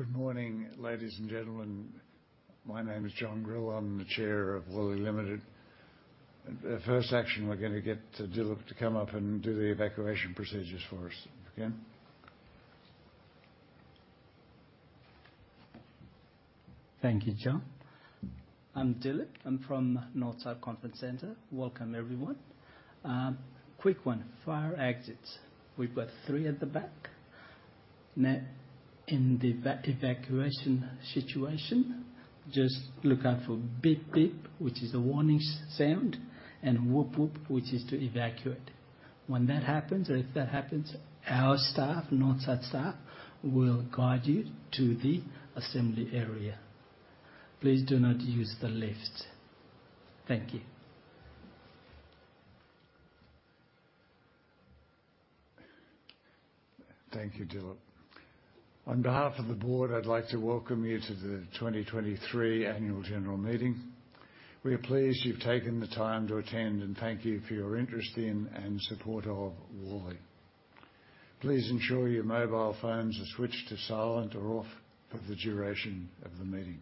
Good morning, ladies and gentlemen. My name is John Grill. I'm the Chair of Worley Limited. The first action, we're gonna get Dilip to come up and do the evacuation procedures for us again. Thank you, John. I'm Deelip. I'm from Northside Conference Center. Welcome, everyone. Quick one, fire exits. We've got three at the back. Now, in the evacuation situation, just look out for beep, beep, which is a warning sound, and whoop, whoop, which is to evacuate. When that happens, or if that happens, our staff, Northside staff, will guide you to the assembly area. Please do not use the lifts. Thank you. Thank you, Deelip. On behalf of the Board, I'd like to welcome you to the 2023 Annual General Meeting. We are pleased you've taken the time to attend, and thank you for your interest in and support of Worley. Please ensure your mobile phones are switched to silent or off for the duration of the meeting.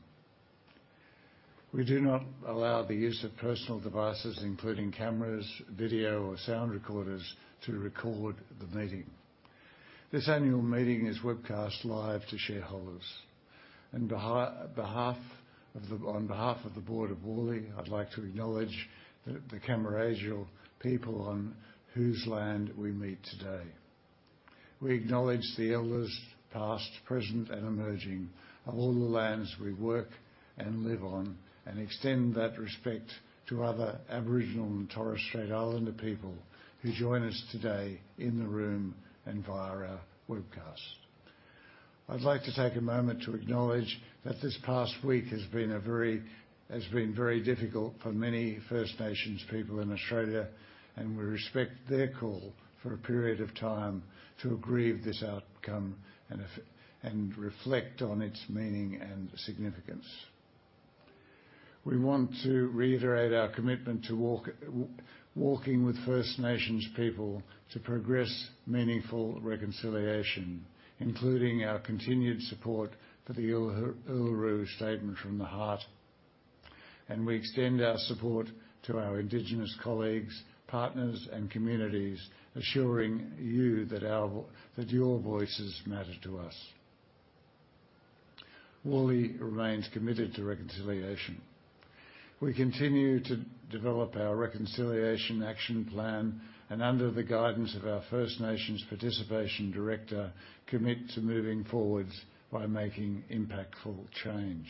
We do not allow the use of personal devices, including cameras, video, or sound recorders, to record the meeting. This annual meeting is webcast live to shareholders. On behalf of the Board of Worley, I'd like to acknowledge the Cammeraygal people on whose land we meet today. We acknowledge the elders, past, present, and emerging of all the lands we work and live on, and extend that respect to other Aboriginal and Torres Strait Islander people who join us today in the room and via our webcast. I'd like to take a moment to acknowledge that this past week has been very difficult for many First Nations people in Australia, and we respect their call for a period of time to grieve this outcome and reflect on its meaning and significance. We want to reiterate our commitment to walking with First Nations people to progress meaningful reconciliation, including our continued support for the Uluru Statement from the Heart. We extend our support to our Indigenous colleagues, partners, and communities, assuring you that your voices matter to us. Worley remains committed to reconciliation. We continue to develop our Reconciliation Action Plan and, under the guidance of our First Nations Participation Director, commit to moving forward by making impactful change.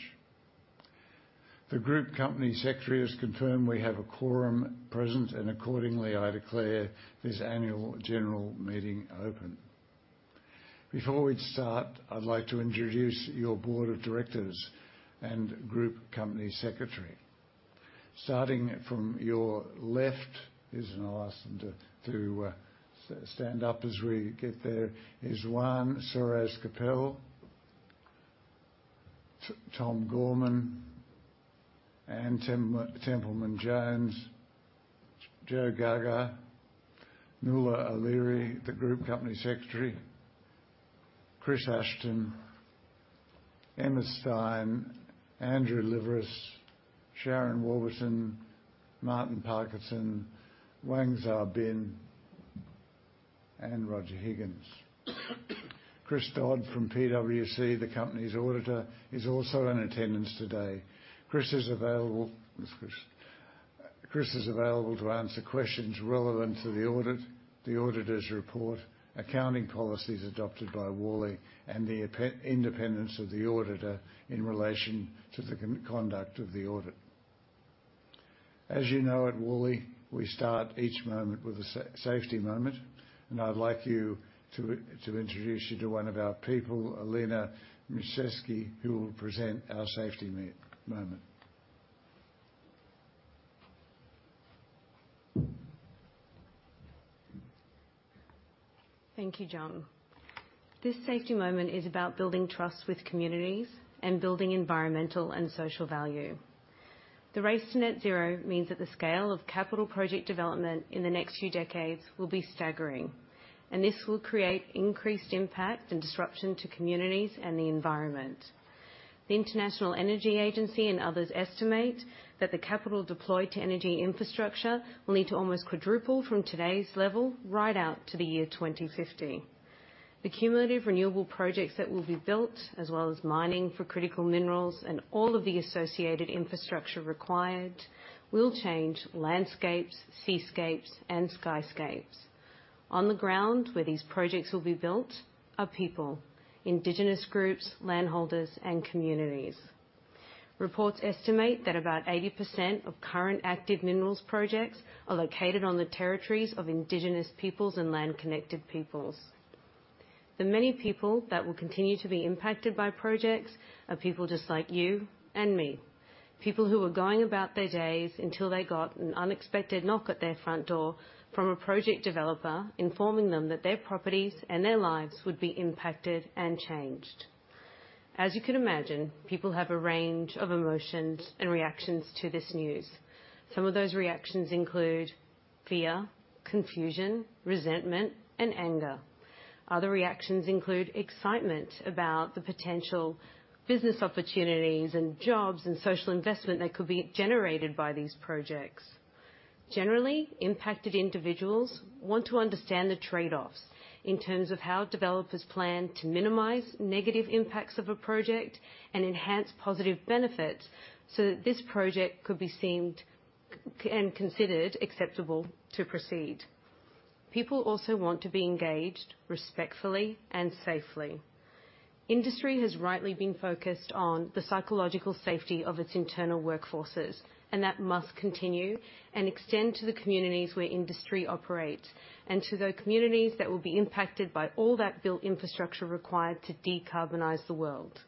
The Group Company Secretary has confirmed we have a quorum present, and accordingly, I declare this Annual General Meeting open. Before we start, I'd like to introduce your Board of Directors and Group Company Secretary. Starting from your left, I'll ask them to stand up as we get there, is Juan Suárez Coppel, Tom Gorman, Ann Templeman-Jones, Joe Geagea, Nuala O'Leary, the Group Company Secretary, Chris Ashton, Emma Stein, Andrew Liveris, Sharon Warburton, Martin Parkinson, Wang Xiao Bin, and Roger Higgins. Chris Dodd from PwC, the company's auditor, is also in attendance today. Chris is available. There's Chris. Chris is available to answer questions relevant to the audit, the auditor's report, accounting policies adopted by Worley, and the independence of the auditor in relation to the conduct of the audit. As you know, at Worley, we start each moment with a safety moment, and I'd like to introduce you to one of our people, Alina Miszewski, who will present our safety moment. Thank you, John. This safety moment is about building trust with communities and building environmental and social value. The race to net zero means that the scale of capital project development in the next few decades will be staggering, and this will create increased impact and disruption to communities and the environment. The International Energy Agency and others estimate that the capital deployed to energy infrastructure will need to almost quadruple from today's level, right out to the year 2050. The cumulative renewable projects that will be built, as well as mining for critical minerals and all of the associated infrastructure required, will change landscapes, seascapes, and skyscapes. On the ground, where these projects will be built, are people, Indigenous groups, landholders, and communities. Reports estimate that about 80% of current active minerals projects are located on the territories of Indigenous peoples and land-connected peoples. The many people that will continue to be impacted by projects are people just like you and me, people who are going about their days until they got an unexpected knock at their front door from a project developer, informing them that their properties and their lives would be impacted and changed. As you can imagine, people have a range of emotions and reactions to this news. Some of those reactions include fear, confusion, resentment, and anger. Other reactions include excitement about the potential business opportunities and jobs and social investment that could be generated by these projects. Generally, impacted individuals want to understand the trade-offs in terms of how developers plan to minimize negative impacts of a project and enhance positive benefits, so that this project could be considered acceptable to proceed. People also want to be engaged respectfully and safely. Industry has rightly been focused on the psychological safety of its internal workforces, and that must continue and extend to the communities where industry operates, and to the communities that will be impacted by all that built infrastructure required to decarbonize the world.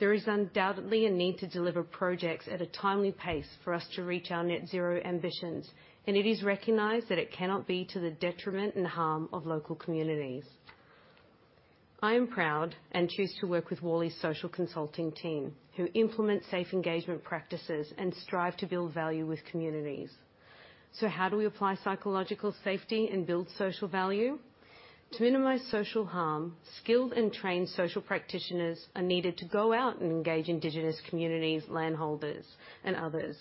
There is undoubtedly a need to deliver projects at a timely pace for us to reach our net zero ambitions, and it is recognized that it cannot be to the detriment and harm of local communities. I am proud and choose to work with Worley's social consulting team, who implement safe engagement practices and strive to build value with communities. How do we apply psychological safety and build social value? To minimize social harm, skilled and trained social practitioners are needed to go out and engage Indigenous communities, landholders, and others.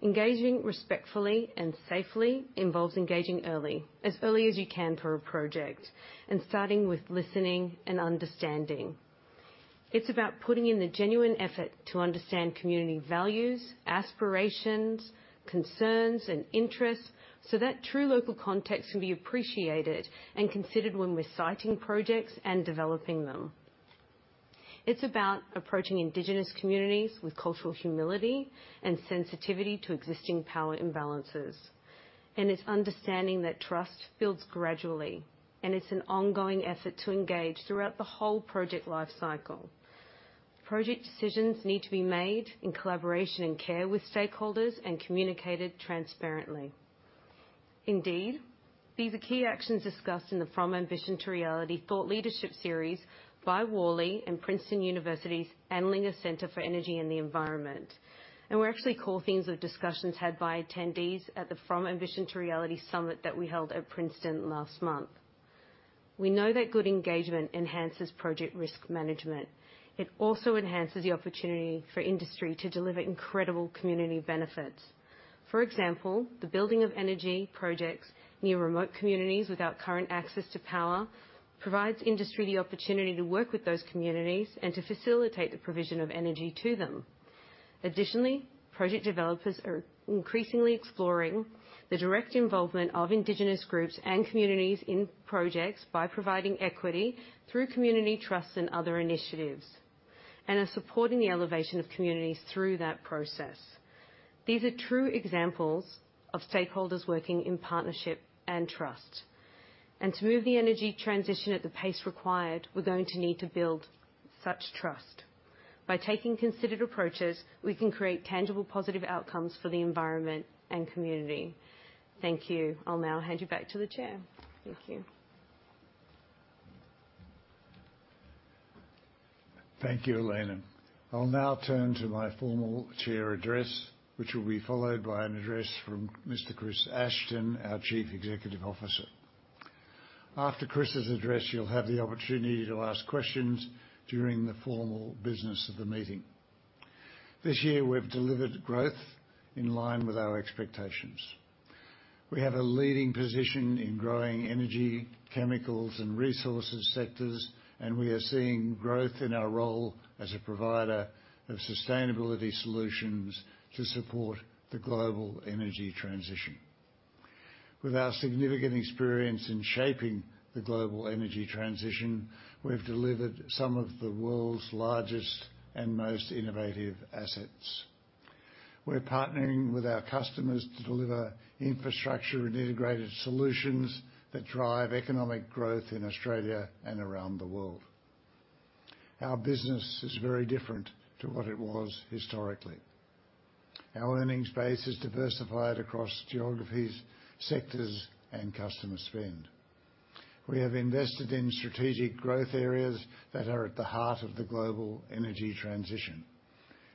Engaging respectfully and safely involves engaging early, as early as you can for a project, and starting with listening and understanding. It's about putting in the genuine effort to understand community values, aspirations, concerns, and interests, so that true local context can be appreciated and considered when we're siting projects and developing them. It's about approaching Indigenous communities with cultural humility and sensitivity to existing power imbalances, and it's understanding that trust builds gradually, and it's an ongoing effort to engage throughout the whole project lifecycle. Project decisions need to be made in collaboration and care with stakeholders and communicated transparently. Indeed, these are key actions discussed in the From Ambition to Reality thought leadership series by Worley and Princeton University's Andlinger Center for Energy and the Environment. And were actually core themes of discussions had by attendees at the From Ambition to Reality summit that we held at Princeton last month. We know that good engagement enhances project risk management. It also enhances the opportunity for industry to deliver incredible community benefits. For example, the building of energy projects near remote communities without current access to power provides industry the opportunity to work with those communities and to facilitate the provision of energy to them. Additionally, project developers are increasingly exploring the direct involvement of Indigenous groups and communities in projects by providing equity through community trusts and other initiatives, and are supporting the elevation of communities through that process. These are true examples of stakeholders working in partnership and trust. To move the energy transition at the pace required, we're going to need to build such trust. By taking considered approaches, we can create tangible, positive outcomes for the environment and community. Thank you. I'll now hand you back to the Chair. Thank you. Thank you, Alina. I'll now turn to my formal Chair address, which will be followed by an address from Mr. Chris Ashton, our Chief Executive Officer. After Chris's address, you'll have the opportunity to ask questions during the formal business of the meeting. This year, we've delivered growth in line with our expectations. We have a leading position in growing energy, chemicals, and resources sectors, and we are seeing growth in our role as a provider of sustainability solutions to support the global energy transition. With our significant experience in shaping the global energy transition, we've delivered some of the world's largest and most innovative assets. We're partnering with our customers to deliver infrastructure and integrated solutions that drive economic growth in Australia and around the world. Our business is very different to what it was historically. Our earnings base is diversified across geographies, sectors, and customer spend. We have invested in strategic growth areas that are at the heart of the global energy transition,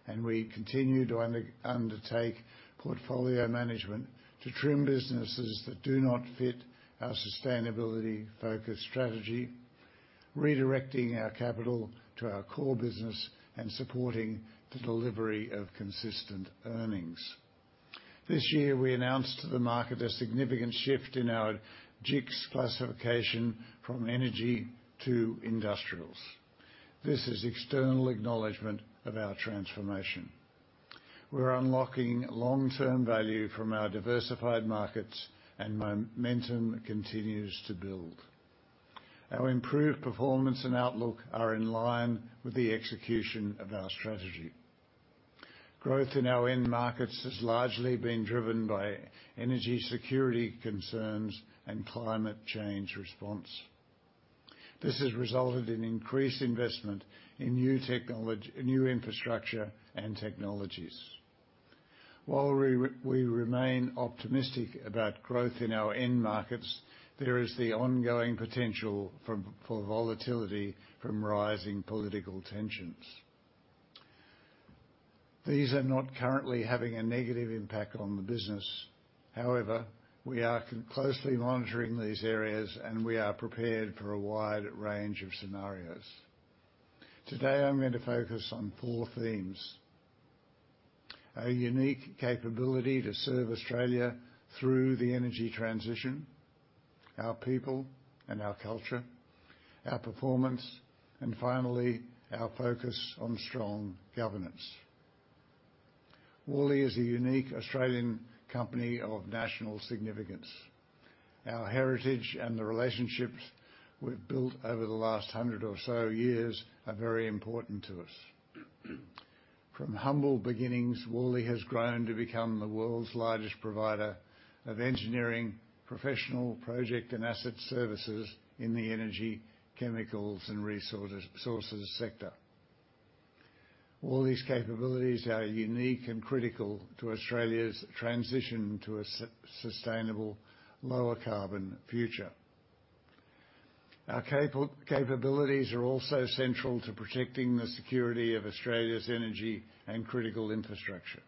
and we continue to undertake portfolio management to trim businesses that do not fit our sustainability-focused strategy, redirecting our capital to our core business and supporting the delivery of consistent earnings. This year, we announced to the market a significant shift in our GICS classification from energy to industrials. This is external acknowledgment of our transformation. We're unlocking long-term value from our diversified markets, and momentum continues to build. Our improved performance and outlook are in line with the execution of our strategy. Growth in our end markets has largely been driven by energy security concerns and climate change response. This has resulted in increased investment in new infrastructure and technologies. While we remain optimistic about growth in our end markets, there is the ongoing potential for volatility from rising political tensions. These are not currently having a negative impact on the business. However, we are closely monitoring these areas, and we are prepared for a wide range of scenarios. Today, I'm going to focus on four themes: our unique capability to serve Australia through the energy transition, our people and our culture, our performance, and finally, our focus on strong governance. Worley is a unique Australian company of national significance. Our heritage and the relationships we've built over the last 100 or so years are very important to us. From humble beginnings, Worley has grown to become the world's largest provider of engineering, professional project and asset services in the energy, chemicals and resources sector. All these capabilities are unique and critical to Australia's transition to a sustainable, lower-carbon future. Our capabilities are also central to protecting the security of Australia's energy and critical infrastructure.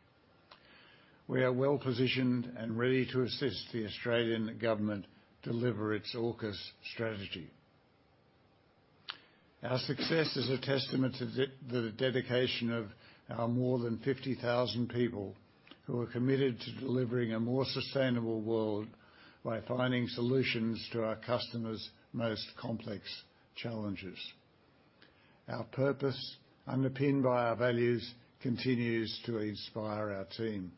We are well-positioned and ready to assist the Australian Government deliver its AUKUS strategy. Our success is a testament to the dedication of our more than 50,000 people, who are committed to delivering a more sustainable world by finding solutions to our customers' most complex challenges. Our purpose, underpinned by our values, continues to inspire our team.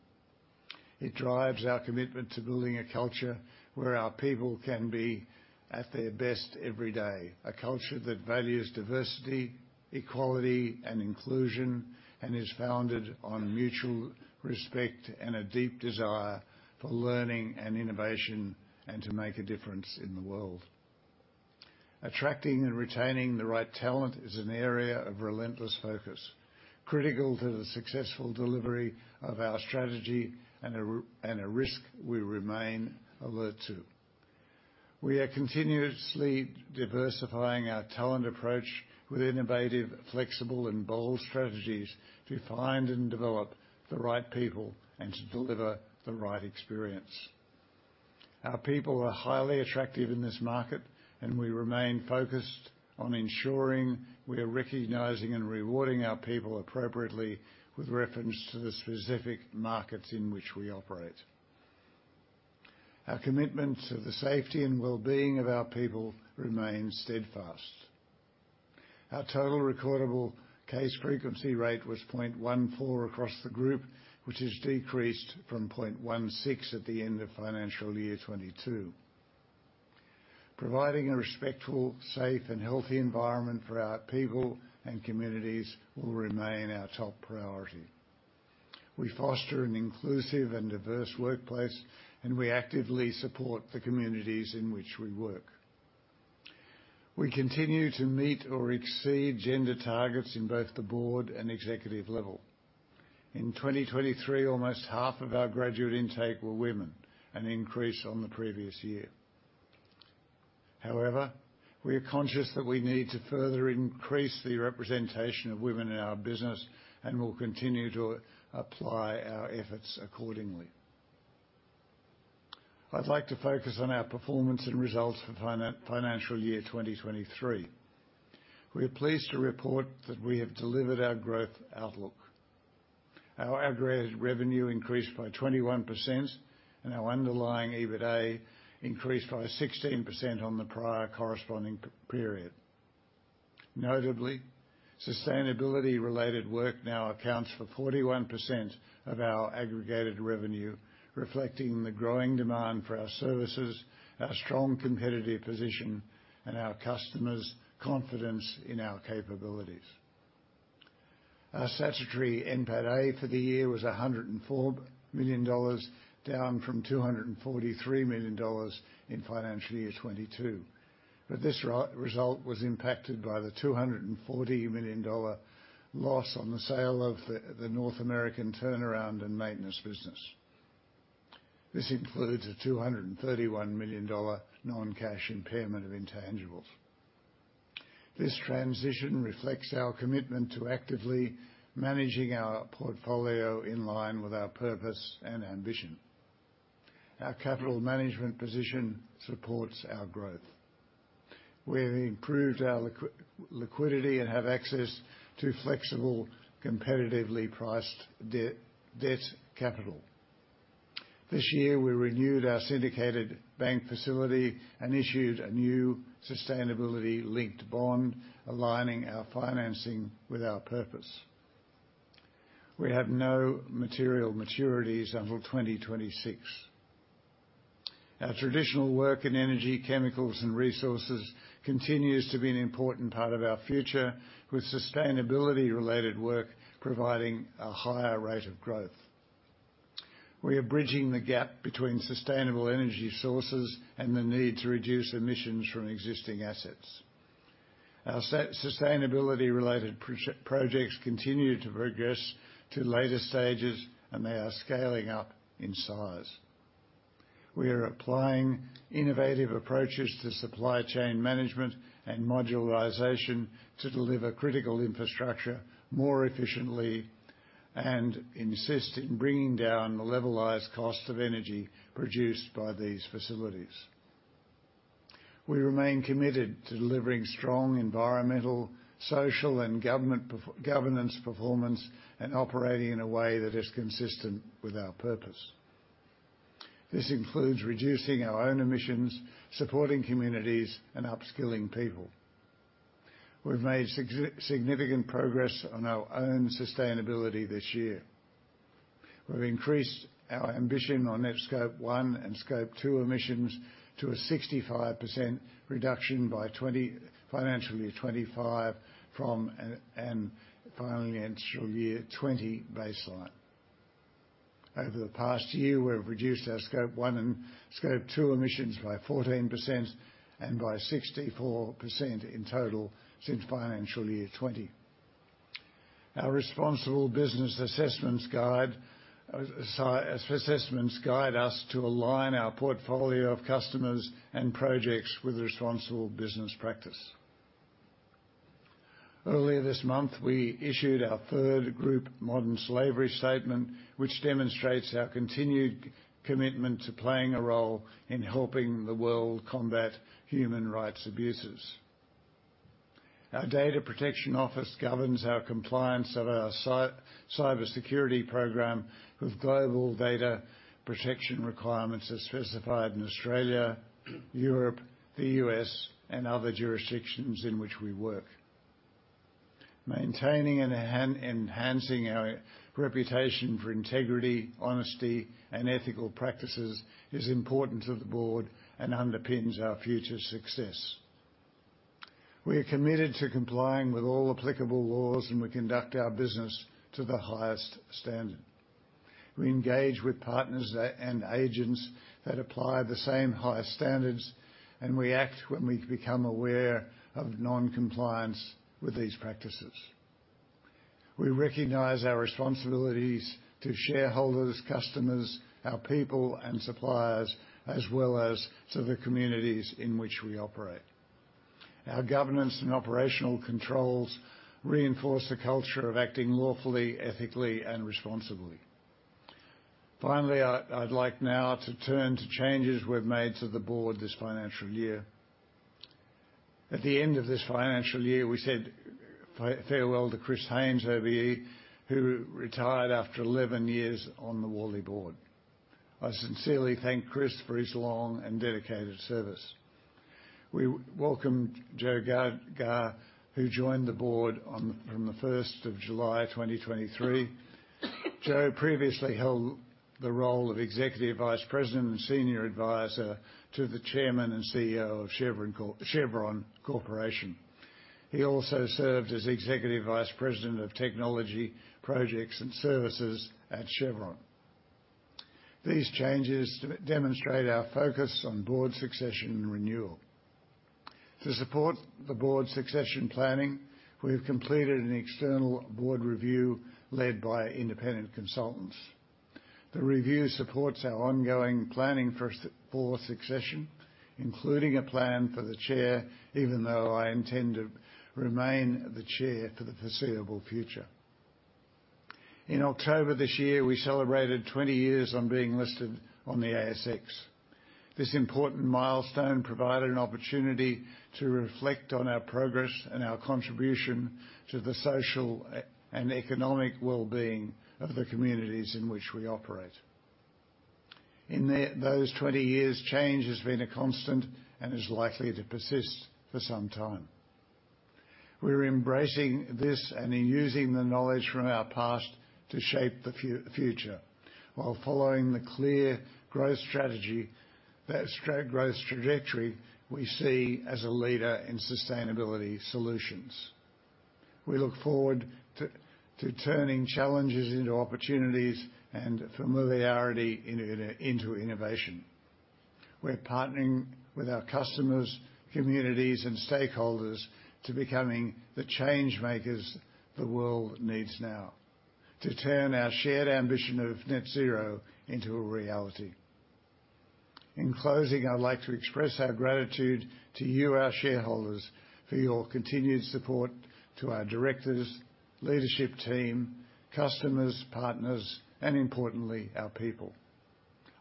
It drives our commitment to building a culture where our people can be at their best every day, a culture that values diversity, equality, and inclusion, and is founded on mutual respect and a deep desire for learning and innovation, and to make a difference in the world. Attracting and retaining the right talent is an area of relentless focus, critical to the successful delivery of our strategy and a risk we remain alert to. We are continuously diversifying our talent approach with innovative, flexible and bold strategies to find and develop the right people and to deliver the right experience. Our people are highly attractive in this market, and we remain focused on ensuring we are recognizing and rewarding our people appropriately with reference to the specific markets in which we operate. Our commitment to the safety and well-being of our people remains steadfast. Our total recordable case frequency rate was 0.14 across the group, which has decreased from 0.16 at the end of financial year 2022. Providing a respectful, safe and healthy environment for our people and communities will remain our top priority. We foster an inclusive and diverse workplace, and we actively support the communities in which we work. We continue to meet or exceed gender targets in both the Board and executive level. In 2023, almost half of our graduate intake were women, an increase on the previous year. However, we are conscious that we need to further increase the representation of women in our business, and will continue to apply our efforts accordingly. I'd like to focus on our performance and results for financial year 2023. We are pleased to report that we have delivered our growth outlook. Our aggregated revenue increased by 21%, and our underlying EBITDA increased by 16% on the prior corresponding period. Notably, sustainability-related work now accounts for 41% of our aggregated revenue, reflecting the growing demand for our services, our strong competitive position, and our customers' confidence in our capabilities. Our statutory NPATA for the year was 104 million dollars, down from 243 million dollars in financial year 2022. This result was impacted by the 240 million dollar loss on the sale of the North American turnaround and maintenance business. This includes a 231 million dollar non-cash impairment of intangibles. This transition reflects our commitment to actively managing our portfolio in line with our purpose and ambition. Our capital management position supports our growth. We have improved our liquidity and have access to flexible, competitively priced debt capital. This year, we renewed our syndicated bank facility and issued a new sustainability-linked bond, aligning our financing with our purpose. We have no material maturities until 2026. Our traditional work in energy, chemicals, and resources continues to be an important part of our future, with sustainability-related work providing a higher rate of growth. We are bridging the gap between sustainable energy sources and the need to reduce emissions from existing assets. Our sustainability-related projects continue to progress to later stages, and they are scaling up in size. We are applying innovative approaches to supply chain management and modularization to deliver critical infrastructure more efficiently and insist in bringing down the levelized cost of energy produced by these facilities. We remain committed to delivering strong environmental, social, and governance performance, and operating in a way that is consistent with our purpose. This includes reducing our own emissions, supporting communities, and upskilling people. We've made significant progress on our own sustainability this year. We've increased our ambition on net Scope 1 and Scope 2 emissions to a 65% reduction by financial year 2025 from financial year 2020 baseline. Over the past year, we've reduced our Scope 1 and Scope 2 emissions by 14% and by 64% in total since financial year 2020. Our responsible business assessments guide us to align our portfolio of customers and projects with responsible business practice. Earlier this month, we issued our third group modern slavery statement, which demonstrates our continued commitment to playing a role in helping the world combat human rights abuses. Our Data Protection Office governs our compliance of our Cybersecurity Program with global data protection requirements as specified in Australia, Europe, the U.S., and other jurisdictions in which we work. Maintaining and enhancing our reputation for integrity, honesty, and ethical practices is important to the Board and underpins our future success. We are committed to complying with all applicable laws, and we conduct our business to the highest standard. We engage with partners that, and agents that apply the same high standards, and we act when we become aware of non-compliance with these practices. We recognize our responsibilities to shareholders, customers, our people, and suppliers, as well as to the communities in which we operate. Our governance and operational controls reinforce a culture of acting lawfully, ethically, and responsibly. Finally, I'd like now to turn to changes we've made to the Board this financial year. At the end of this financial year, we said farewell to Chris Haynes, OBE, who retired after 11 years on the Worley Board. I sincerely thank Chris for his long and dedicated service. We welcomed Joe Geagea, who joined the Board from the 1st of July, 2023. Joe previously held the role of Executive Vice President and Senior Advisor to the Chairman and CEO of Chevron Corporation. He also served as Executive Vice President of Technology Projects and Services at Chevron. These changes demonstrate our focus on Board succession and renewal. To support the Board's succession planning, we have completed an external Board review led by independent consultants. The review supports our ongoing planning for succession, including a plan for the Chair, even though I intend to remain the Chair for the foreseeable future. In October this year, we celebrated 20 years on being listed on the ASX. This important milestone provided an opportunity to reflect on our progress and our contribution to the social and economic well-being of the communities in which we operate. In those 20 years, change has been a constant and is likely to persist for some time. We're embracing this and in using the knowledge from our past to shape the future, while following the clear growth strategy, that growth trajectory we see as a leader in sustainability solutions. We look forward to turning challenges into opportunities and familiarity into innovation. We're partnering with our customers, communities, and stakeholders to becoming the changemakers the world needs now to turn our shared ambition of net zero into a reality. In closing, I'd like to express our gratitude to you, our shareholders, for your continued support, to our directors, leadership team, customers, partners, and importantly, our people.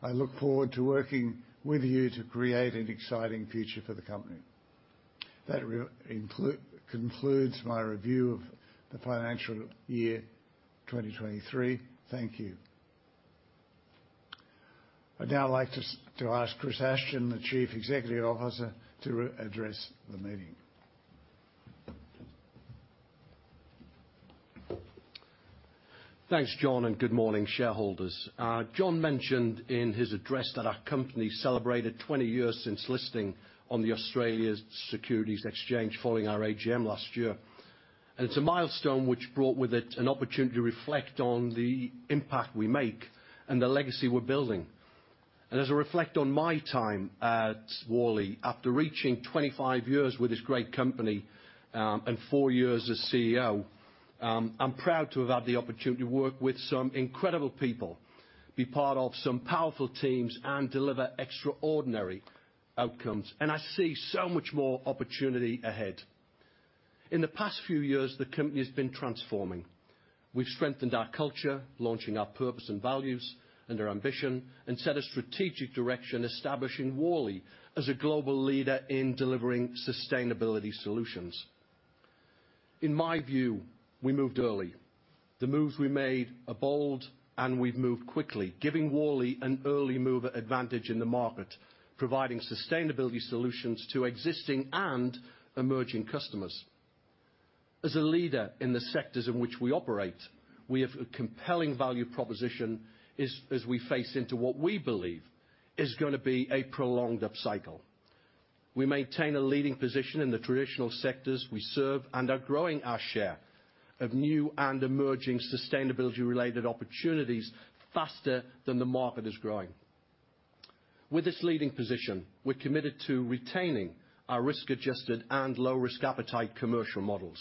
I look forward to working with you to create an exciting future for the company. That concludes my review of the financial year 2023. Thank you. I'd now like to ask Chris Ashton, the Chief Executive Officer, to address the meeting. Thanks, John, and good morning, shareholders. John mentioned in his address that our company celebrated 20 years since listing on the Australia's Securities Exchange following our AGM last year. It's a milestone which brought with it an opportunity to reflect on the impact we make and the legacy we're building. As I reflect on my time at Worley, after reaching 25 years with this great company and four years as CEO, I'm proud to have had the opportunity to work with some incredible people, be part of some powerful teams, and deliver extraordinary outcomes, and I see so much more opportunity ahead. In the past few years, the company has been transforming. We've strengthened our culture, launching our purpose and values and our ambition, and set a strategic direction, establishing Worley as a global leader in delivering sustainability solutions. In my view, we moved early. The moves we made are bold, and we've moved quickly, giving Worley an early-mover advantage in the market, providing sustainability solutions to existing and emerging customers. As a leader in the sectors in which we operate, we have a compelling value proposition as we face into what we believe is gonna be a prolonged upcycle. We maintain a leading position in the traditional sectors we serve, and are growing our share of new and emerging sustainability-related opportunities faster than the market is growing. With this leading position, we're committed to retaining our risk-adjusted and low-risk-appetite commercial models.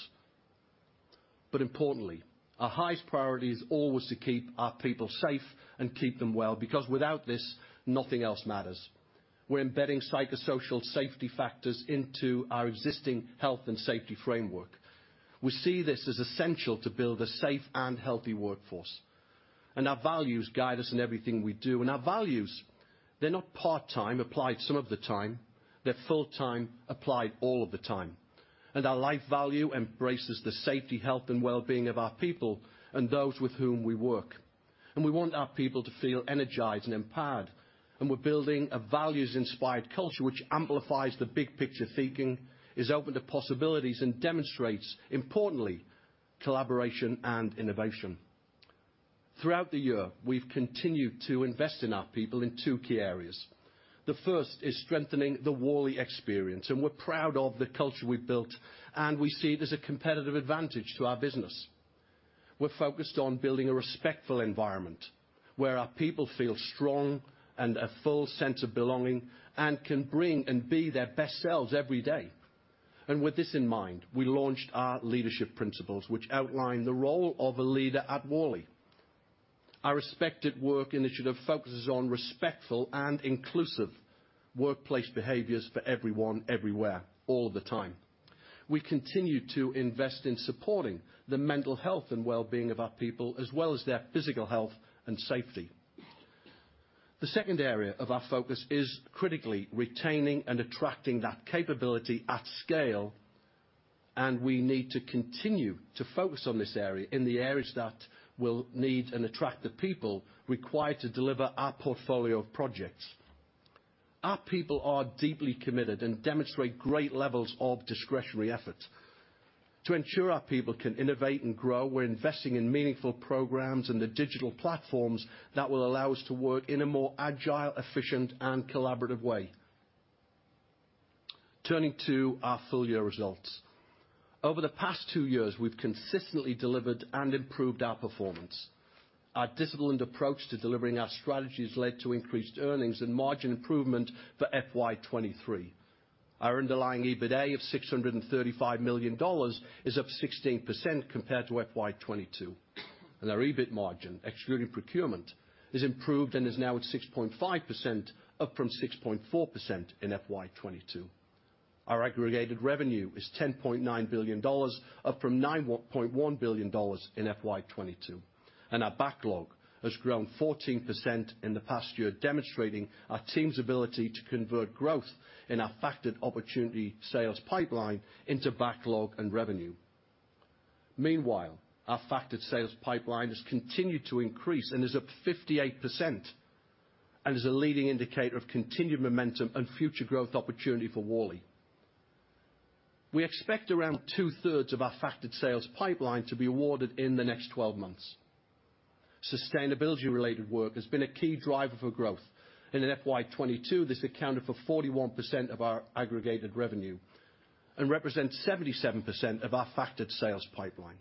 Importantly, our highest priority is always to keep our people safe and keep them well, because without this, nothing else matters. We're embedding psychosocial safety factors into our existing health and safety framework. We see this as essential to build a safe and healthy workforce, and our values guide us in everything we do. Our values, they're not part-time, applied some of the time. They're full-time, applied all of the time, and our life value embraces the safety, health, and well-being of our people and those with whom we work. We want our people to feel energized and empowered, and we're building a values-inspired culture, which amplifies the big-picture thinking, is open to possibilities, and demonstrates, importantly, collaboration and innovation. Throughout the year, we've continued to invest in our people in two key areas. The first is strengthening the Worley experience, and we're proud of the culture we've built, and we see it as a competitive advantage to our business. We're focused on building a respectful environment where our people feel strong and a full sense of belonging and can bring and be their best selves every day. With this in mind, we launched our leadership principles, which outline the role of a leader at Worley. Our respect at work initiative focuses on respectful and inclusive workplace behaviors for everyone, everywhere, all the time. We continue to invest in supporting the mental health and well-being of our people, as well as their physical health and safety. The second area of our focus is critically retaining and attracting that capability at scale, and we need to continue to focus on this area in the areas that will need and attract the people required to deliver our portfolio of projects. Our people are deeply committed and demonstrate great levels of discretionary effort. To ensure our people can innovate and grow, we're investing in meaningful programs and the digital platforms that will allow us to work in a more agile, efficient, and collaborative way. Turning to our full year results. Over the past two years, we've consistently delivered and improved our performance. Our disciplined approach to delivering our strategy has led to increased earnings and margin improvement for FY 2023. Our underlying EBITDA of 635 million dollars is up 16% compared to FY 2022, and our EBIT margin, excluding procurement, is improved and is now at 6.5%, up from 6.4% in FY 2022. Our aggregated revenue is 10.9 billion dollars, up from 9.1 billion dollars in FY 2022, and our backlog has grown 14% in the past year, demonstrating our team's ability to convert growth in our factored opportunity sales pipeline into backlog and revenue. Meanwhile, our factored sales pipeline has continued to increase and is up 58%, and is a leading indicator of continued momentum and future growth opportunity for Worley. We expect around two-thirds of our factored sales pipeline to be awarded in the next 12 months. Sustainability-related work has been a key driver for growth. In FY 2022, this accounted for 41% of our aggregated revenue and represents 77% of our factored sales pipeline.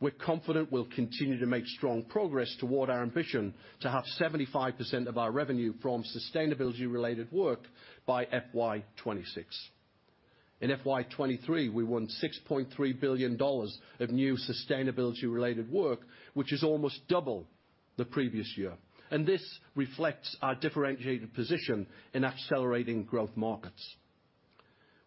We're confident we'll continue to make strong progress toward our ambition to have 75% of our revenue from sustainability-related work by FY 2026. In FY 2023, we won 6.3 billion dollars of new sustainability-related work, which is almost double the previous year, and this reflects our differentiated position in accelerating growth markets.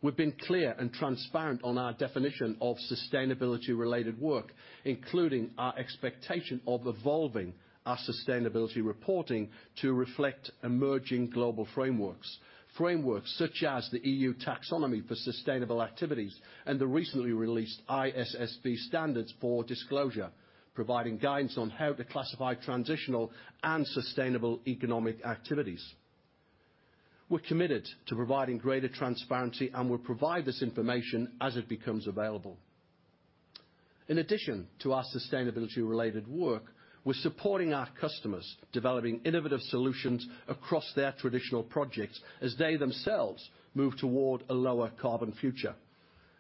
We've been clear and transparent on our definition of sustainability-related work, including our expectation of evolving our sustainability reporting to reflect emerging global frameworks, frameworks such as the EU Taxonomy for sustainable activities and the recently released ISSB Standards for Disclosure, providing guidance on how to classify transitional and sustainable economic activities. We're committed to providing greater transparency and will provide this information as it becomes available. In addition to our sustainability-related work, we're supporting our customers, developing innovative solutions across their traditional projects as they themselves move toward a lower carbon future.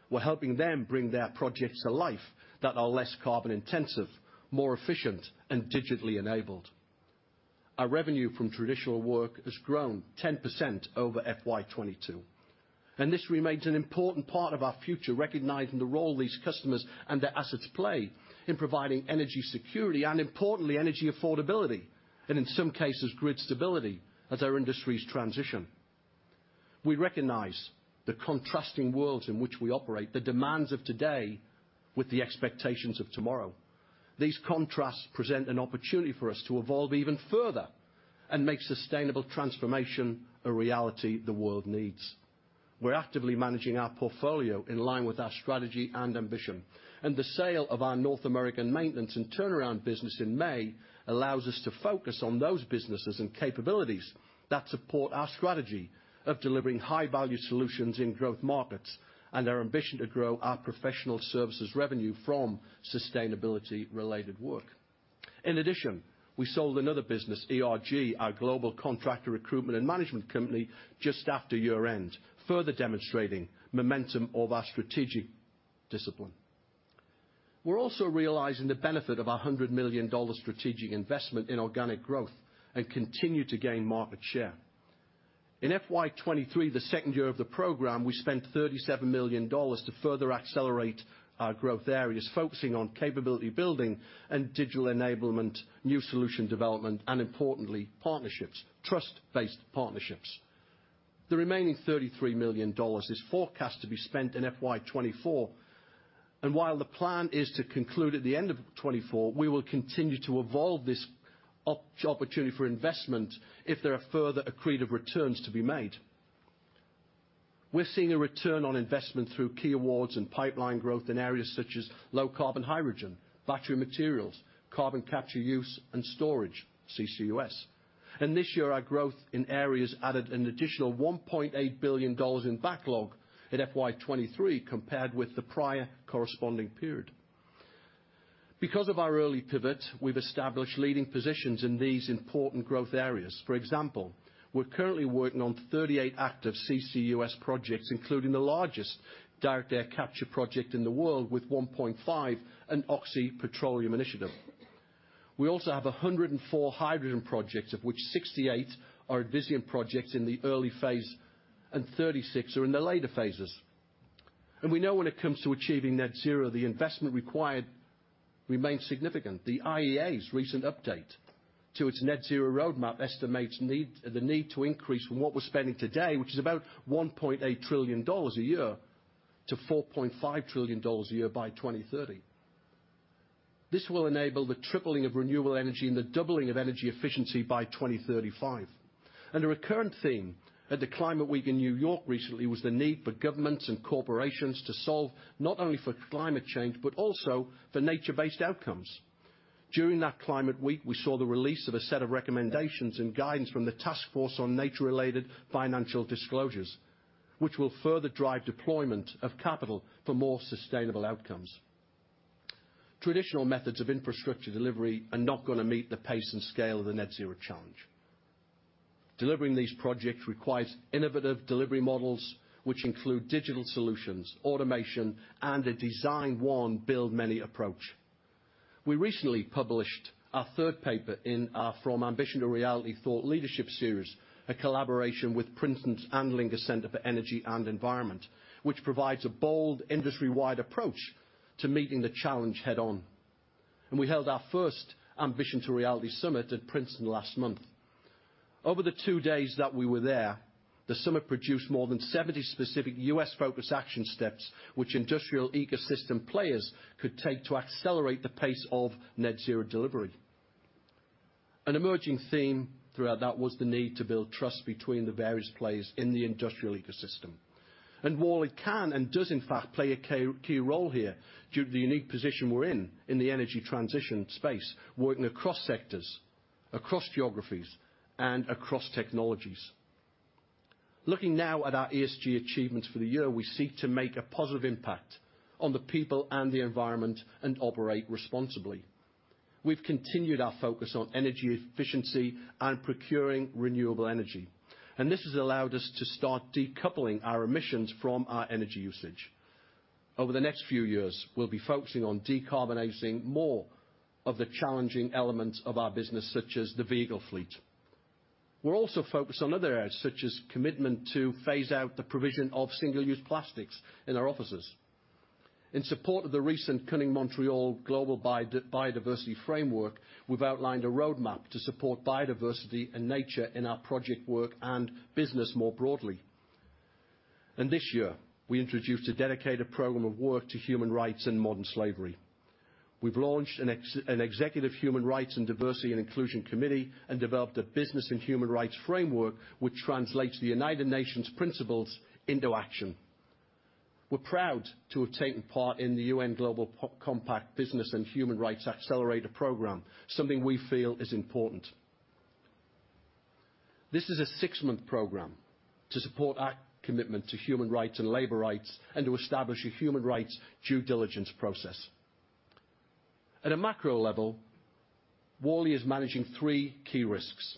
We're helping them bring their projects to life that are less carbon intensive, more efficient, and digitally enabled. Our revenue from traditional work has grown 10% over FY 2022. This remains an important part of our future, recognizing the role these customers and their assets play in providing energy security, and importantly, energy affordability, and in some cases, grid stability as our industries transition. We recognize the contrasting worlds in which we operate, the demands of today with the expectations of tomorrow. These contrasts present an opportunity for us to evolve even further and make sustainable transformation a reality the world needs. We're actively managing our portfolio in line with our strategy and ambition, and the sale of our North American maintenance and turnaround business in May allows us to focus on those businesses and capabilities that support our strategy of delivering high-value solutions in growth markets, and our ambition to grow our professional services revenue from sustainability-related work. In addition, we sold another business, ERG, our global contractor recruitment and management company, just after year-end, further demonstrating momentum of our strategic discipline. We're also realizing the benefit of our $100 million strategic investment in organic growth and continue to gain market share. In FY 2023, the second year of the program, we spent $37 million to further accelerate our growth areas, focusing on capability building and digital enablement, new solution development, and importantly, partnerships, trust-based partnerships. The remaining $33 million is forecast to be spent in FY 2024, and while the plan is to conclude at the end of 2024, we will continue to evolve this opportunity for investment if there are further accretive returns to be made. We're seeing a return on investment through key awards and pipeline growth in areas such as low-carbon hydrogen, battery materials, Carbon Capture Use and Storage, CCUS. This year, our growth in areas added an additional 1.8 billion dollars in backlog in FY 2023, compared with the prior corresponding period. Because of our early pivot, we've established leading positions in these important growth areas. For example, we're currently working on 38 active CCUS projects, including the largest direct air capture project in the world, with 1PointFive, an Oxy Petroleum initiative. We also have 104 hydrogen projects, of which 68 are Advisian projects in the early phase, and 36 are in the later phases. We know when it comes to achieving net zero, the investment required remains significant. The IEA's recent update to its net zero roadmap estimates the need to increase from what we're spending today, which is about 1.8 trillion dollars a year, to 4.5 trillion dollars a year by 2030. This will enable the tripling of renewable energy and the doubling of energy efficiency by 2035. A recurrent theme at the Climate Week in New York recently was the need for governments and corporations to solve not only for climate change but also for nature-based outcomes. During that Climate Week, we saw the release of a set of recommendations and guidance from the Task Force on Nature-related Financial Disclosures, which will further drive deployment of capital for more sustainable outcomes. Traditional methods of infrastructure delivery are not gonna meet the pace and scale of the net-zero challenge. Delivering these projects requires innovative delivery models, which include digital solutions, automation, and a design-one, build-many approach. We recently published our third paper in our From Ambition to Reality thought leadership series, a collaboration with Princeton and Andlinger Center for Energy and the Environment, which provides a bold, industry-wide approach to meeting the challenge head-on. We held our first Ambition to Reality Summit at Princeton last month. Over the two days that we were there, the summit produced more than 70 specific U.S.-focused action steps, which industrial ecosystem players could take to accelerate the pace of net-zero delivery. An emerging theme throughout that was the need to build trust between the various players in the industrial ecosystem. While it can, and does, in fact, play a key, key role here, due to the unique position we're in in the energy transition space, working across sectors, across geographies, and across technologies. Looking now at our ESG achievements for the year, we seek to make a positive impact on the people and the environment and operate responsibly. We've continued our focus on energy efficiency and procuring renewable energy, and this has allowed us to start decoupling our emissions from our energy usage. Over the next few years, we'll be focusing on decarbonizing more of the challenging elements of our business, such as the vehicle fleet. We're also focused on other areas, such as commitment to phase out the provision of single-use plastics in our offices. In support of the recent Kunming-Montreal Global Biodiversity Framework, we've outlined a roadmap to support biodiversity and nature in our project work and business more broadly. This year, we introduced a dedicated program of work to human rights and modern slavery. We've launched an Executive Human Rights and Diversity and Inclusion Committee and developed a business and human rights framework, which translates the United Nations principles into action. We're proud to have taken part in the UN Global Compact Business and Human Rights Accelerator program, something we feel is important. This is a six-month program to support our commitment to human rights and labor rights and to establish a human rights due diligence process. At a macro level, Worley is managing three key risks: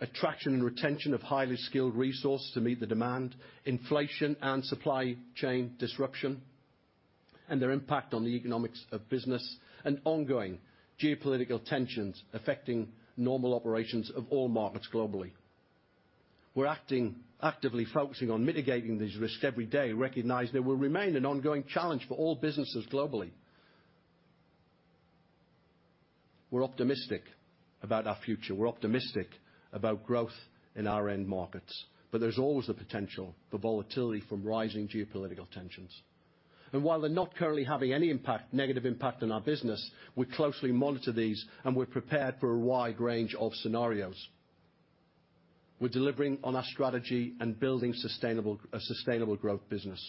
attraction and retention of highly skilled resources to meet the demand, inflation, and supply chain disruption and their impact on the economics of business, and ongoing geopolitical tensions affecting normal operations of all markets globally. We're actively focusing on mitigating these risks every day, recognizing they will remain an ongoing challenge for all businesses globally. We're optimistic about our future. We're optimistic about growth in our end markets, but there's always the potential for volatility from rising geopolitical tensions. While they're not currently having any impact, negative impact on our business, we closely monitor these, and we're prepared for a wide range of scenarios. We're delivering on our strategy and building sustainable, a sustainable growth business.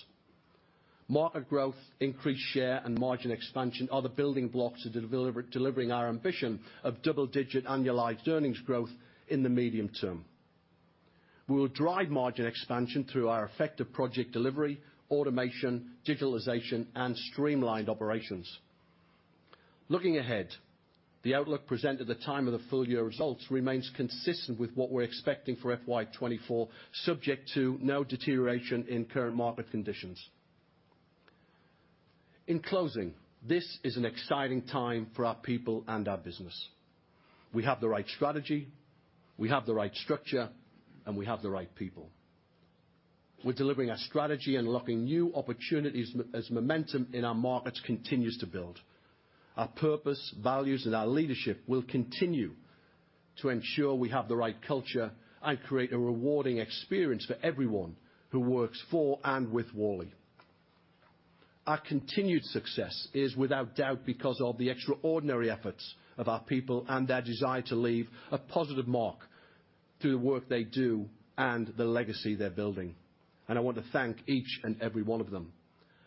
Market growth, increased share, and margin expansion are the building blocks to deliver, delivering our ambition of double-digit annualized earnings growth in the medium term. We will drive margin expansion through our effective project delivery, automation, digitalization, and streamlined operations. Looking ahead, the outlook presented at the time of the full-year results remains consistent with what we're expecting for FY 2024, subject to no deterioration in current market conditions. In closing, this is an exciting time for our people and our business. We have the right strategy, we have the right structure, and we have the right people. We're delivering our strategy and unlocking new opportunities as momentum in our markets continues to build. Our purpose, values, and our leadership will continue to ensure we have the right culture and create a rewarding experience for everyone who works for and with Worley. Our continued success is without doubt because of the extraordinary efforts of our people and their desire to leave a positive mark through the work they do and the legacy they're building, and I want to thank each and every one of them.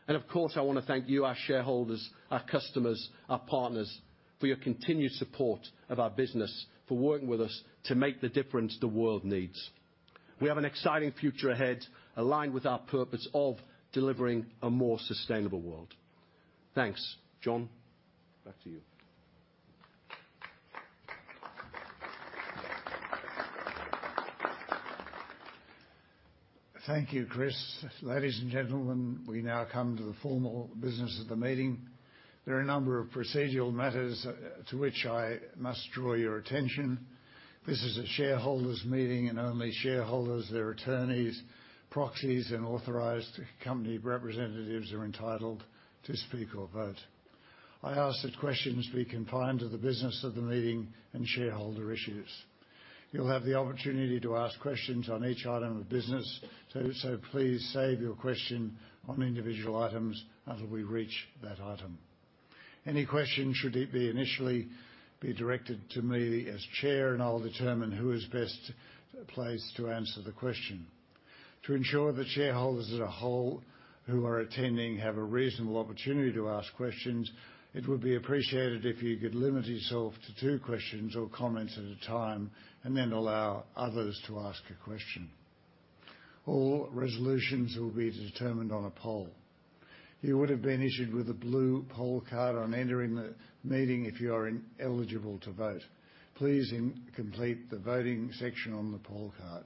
Of course, I want to thank you, our shareholders, our customers, our partners, for your continued support of our business, for working with us to make the difference the world needs. We have an exciting future ahead, aligned with our purpose of delivering a more sustainable world. Thanks. John, back to you. Thank you, Chris. Ladies and gentlemen, we now come to the formal business of the meeting. There are a number of procedural matters to which I must draw your attention. This is a shareholders' meeting, and only shareholders, their attorneys, proxies, and authorized company representatives are entitled to speak or vote. I ask that questions be confined to the business of the meeting and shareholder issues. You'll have the opportunity to ask questions on each item of business, so please save your question on individual items until we reach that item. Any questions should initially be directed to me as Chair, and I'll determine who is best placed to answer the question. To ensure that shareholders as a whole who are attending have a reasonable opportunity to ask questions, it would be appreciated if you could limit yourself to two questions or comments at a time, and then allow others to ask a question. All resolutions will be determined on a poll. You would have been issued with a blue poll card on entering the meeting if you are eligible to vote. Please complete the voting section on the poll card.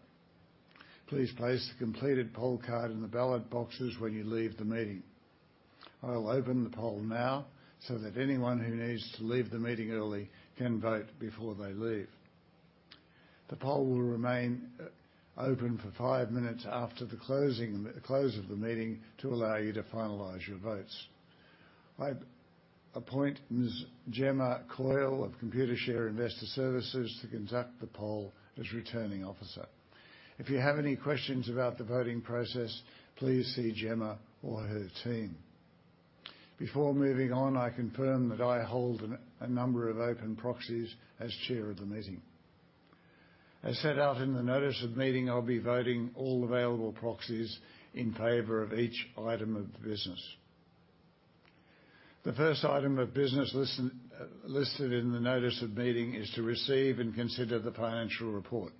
Please place the completed poll card in the ballot boxes when you leave the meeting. I'll open the poll now, so that anyone who needs to leave the meeting early can vote before they leave. The poll will remain open for five minutes after the close of the meeting to allow you to finalize your votes. I appoint Ms. Gemma Coyle of Computershare Investor Services to conduct the poll as Returning Officer. If you have any questions about the voting process, please see Gemma or her team. Before moving on, I confirm that I hold a number of open proxies as Chair of the meeting. As set out in the notice of the meeting, I'll be voting all available proxies in favor of each item of business. The first item of business listed in the notice of meeting is to receive and consider the financial report,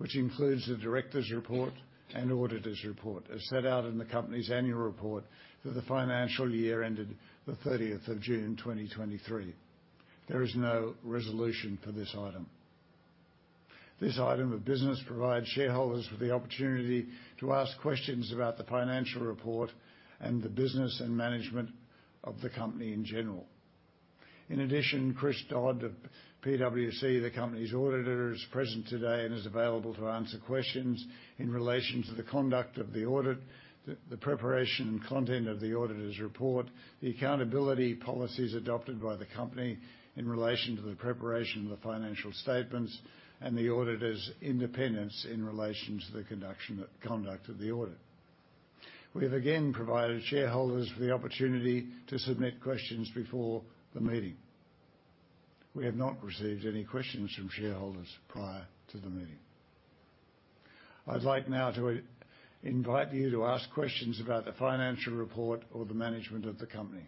which includes the directors' report and auditors' report, as set out in the company's annual report for the financial year ended the 30th of June, 2023. There is no resolution for this item. This item of business provides shareholders with the opportunity to ask questions about the financial report and the business and management of the company in general. In addition, Chris Dodd of PwC, the company's auditor, is present today and is available to answer questions in relation to the conduct of the audit, the preparation and content of the auditor's report, the accountability policies adopted by the company in relation to the preparation of the financial statements, and the auditor's independence in relation to the conduct of the audit. We have again provided shareholders with the opportunity to submit questions before the meeting. We have not received any questions from shareholders prior to the meeting. I'd like now to invite you to ask questions about the financial report or the management of the company.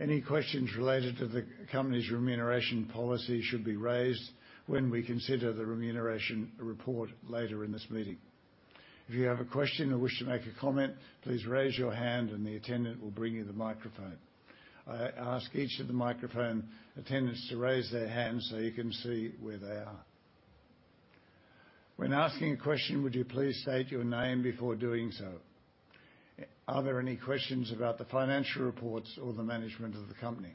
Any questions related to the company's remuneration policy should be raised when we consider the remuneration report later in this meeting. If you have a question or wish to make a comment, please raise your hand and the attendant will bring you the microphone. I ask each of the microphone attendants to raise their hands, so you can see where they are. When asking a question, would you please state your name before doing so? Are there any questions about the financial reports or the management of the company?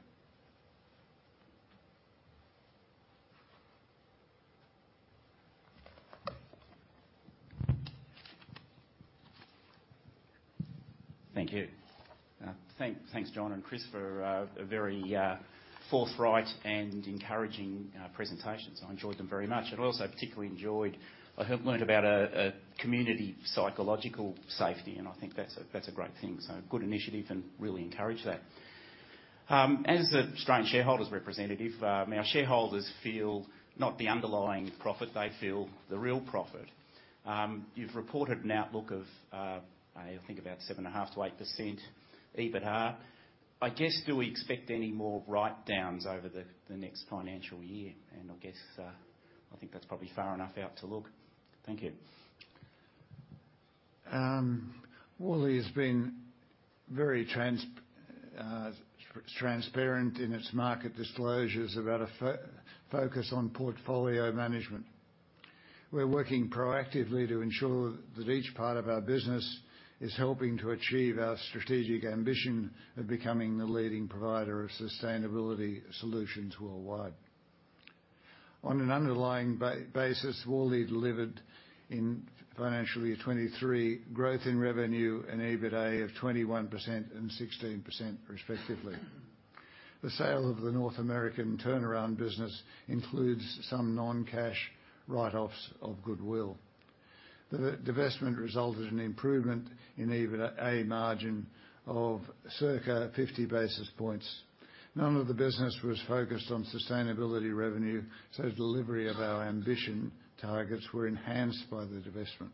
Thank you. Thanks, John and Chris, for a very forthright and encouraging presentation. I enjoyed them very much. I also particularly enjoyed, I have learned about a community psychological safety, and I think that's a great thing. Good initiative, and really encourage that. As the Australian Shareholders representative, our shareholders feel not the underlying profit, they feel the real profit. You've reported an outlook of, I think, about 7.5%-8% EBITDA. I guess, do we expect any more write-downs over the next financial year? I guess I think that's probably far enough out to look. Thank you. Worley has been very transparent in its market disclosures about a focus on portfolio management. We're working proactively to ensure that each part of our business is helping to achieve our strategic ambition of becoming the leading provider of sustainability solutions worldwide. On an underlying basis, Worley delivered in financial year 2023, growth in revenue and EBITDA of 21% and 16%, respectively. The sale of the North American turnaround business includes some non-cash write-offs of goodwill. The divestment resulted in improvement in EBITDA margin of circa 50 basis points. None of the business was focused on sustainability revenue, so delivery of our ambition targets were enhanced by the divestment.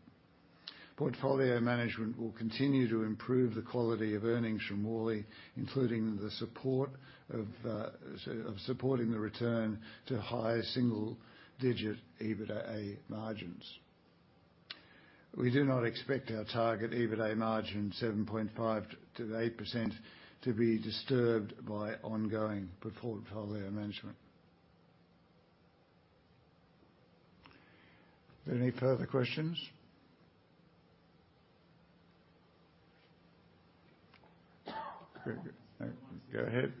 Portfolio management will continue to improve the quality of earnings from Worley, including the support of supporting the return to high single-digit EBITDA margins. We didn't expect target EBITDA in margin 7.5%-8%, to be disturbed by ongoing portfolio management. Any further questions? Go ahead.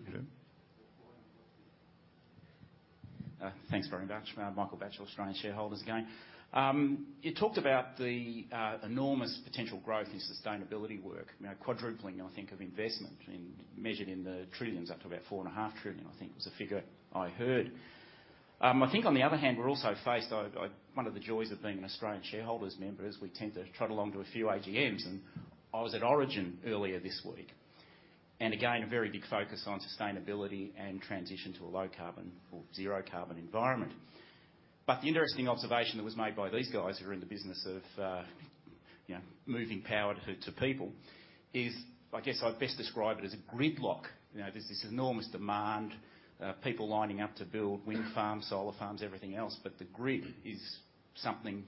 Thanks very much. Michael Batchelor, Australian Shareholders, again. You talked about the enormous potential growth in sustainability work. Now, quadrupling, I think, of investment in, measured in the trillions, up to about 4.5 trillion, I think, was the figure I heard. I think on the other hand, we're also faced... one of the joys of being an Australian Shareholders member is we tend to trot along to a few AGMs, and I was at Origin earlier this week. Again, a very big focus on sustainability and transition to a low-carbon or zero-carbon environment. The interesting observation that was made by these guys, who are in the business of, you know, moving power to people, is, I guess I'd best describe it as a gridlock. You know, there's this enormous demand, people lining up to build wind farms, solar farms, everything else, but the grid is something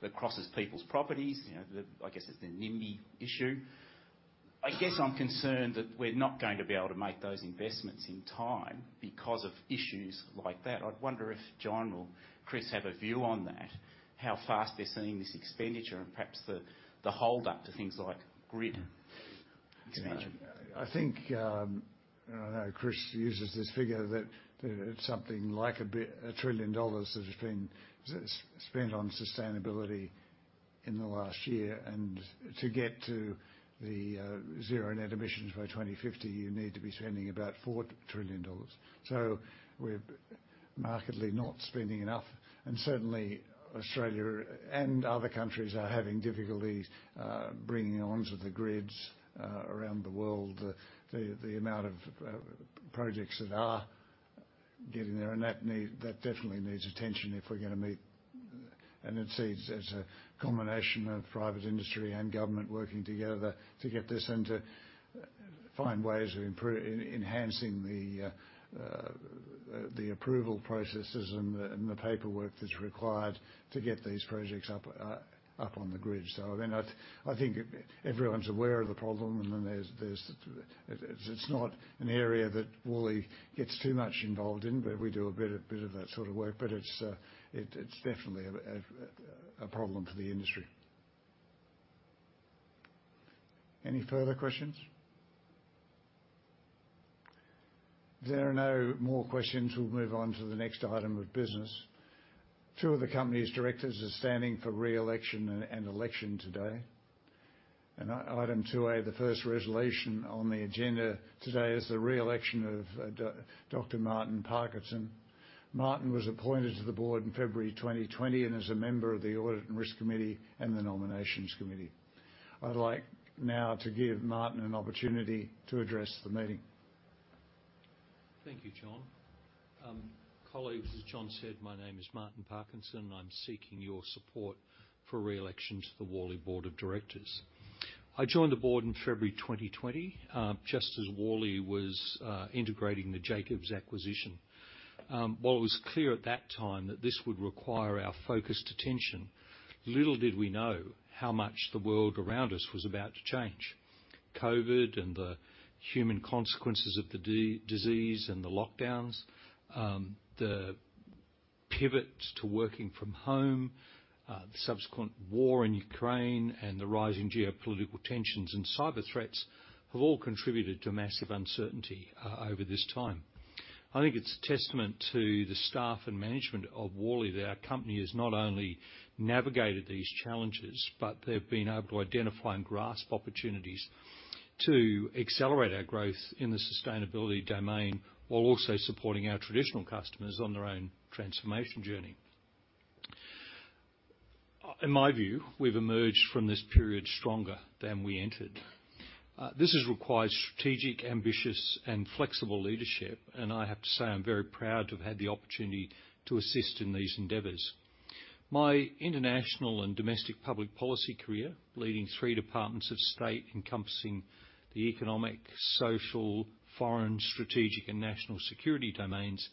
that crosses people's properties. You know, I guess it's the NIMBY issue. I guess I'm concerned that we're not going to be able to make those investments in time because of issues like that. I wonder if John or Chris have a view on that, how fast they're seeing this expenditure and perhaps the holdup to things like grid expansion. I think I know Chris uses this figure, that it's something like 1 trillion dollars that has been spent on sustainability in the last year. To get to the zero net emissions by 2050, you need to be spending about 4 trillion dollars. We're markedly not spending enough, and certainly Australia and other countries are having difficulties bringing onto the grids around the world the amount of projects that are getting there. That need, that definitely needs attention if we're gonna meet. It sees as a combination of private industry and government working together to get this and to find ways of enhancing the approval processes and the paperwork that's required to get these projects up on the grid. I mean, I think everyone's aware of the problem, and then it's not an area that Worley gets too much involved in, but we do a bit of that sort of work, but it's definitely a problem for the industry. Any further questions? If there are no more questions, we'll move on to the next item of business. Two of the company's directors are standing for re-election and election today. Item 2A, the first resolution on the agenda today is the re-election of Dr. Martin Parkinson. Martin was appointed to the Board in February 2020, and is a member of the Audit and Risk Committee and the Nominations Committee. I'd like now to give Martin an opportunity to address the meeting. Thank you, John. Colleagues, as John said, my name is Martin Parkinson. I'm seeking your support for re-election to the Worley Board of Directors. I joined the Board in February 2020 just as Worley was integrating the Jacobs acquisition. While it was clear at that time that this would require our focused attention, little did we know how much the world around us was about to change. COVID and the human consequences of the disease and the lockdowns, the pivot to working from home, the subsequent war in Ukraine, and the rising geopolitical tensions and cyber threats have all contributed to massive uncertainty over this time. I think it's a testament to the staff and management of Worley that our company has not only navigated these challenges, but they've been able to identify and grasp opportunities to accelerate our growth in the sustainability domain, while also supporting our traditional customers on their own transformation journey. In my view, we've emerged from this period stronger than we entered. This has required strategic, ambitious, and flexible leadership, and I have to say, I'm very proud to have had the opportunity to assist in these endeavors. My international and domestic public policy career, leading three departments of state, encompassing the economic, social, foreign, strategic, and national security domains,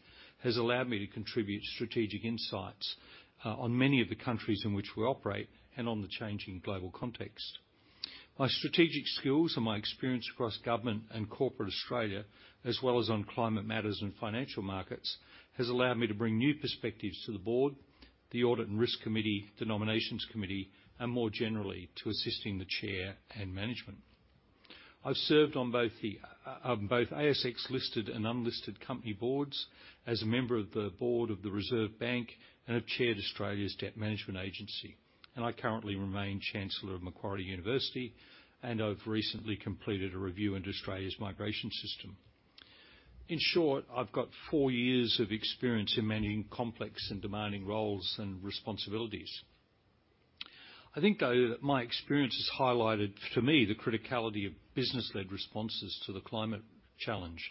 has allowed me to contribute strategic insights on many of the countries in which we operate and on the changing global context. My strategic skills and my experience across government and corporate Australia, as well as on climate matters and financial markets, has allowed me to bring new perspectives to the Board, the Audit and Risk Committee, the Nominations Committee, and more generally, to assisting the Chair and management. I've served on both ASX-listed and unlisted company Boards as a member of the Board of the Reserve Bank and have chaired Australia's Debt Management Agency. I currently remain Chancellor of Macquarie University, and I've recently completed a review into Australia's migration system. In short, I've got 4 years of experience in managing complex and demanding roles and responsibilities. I think, though, that my experience has highlighted to me the criticality of business-led responses to the climate challenge.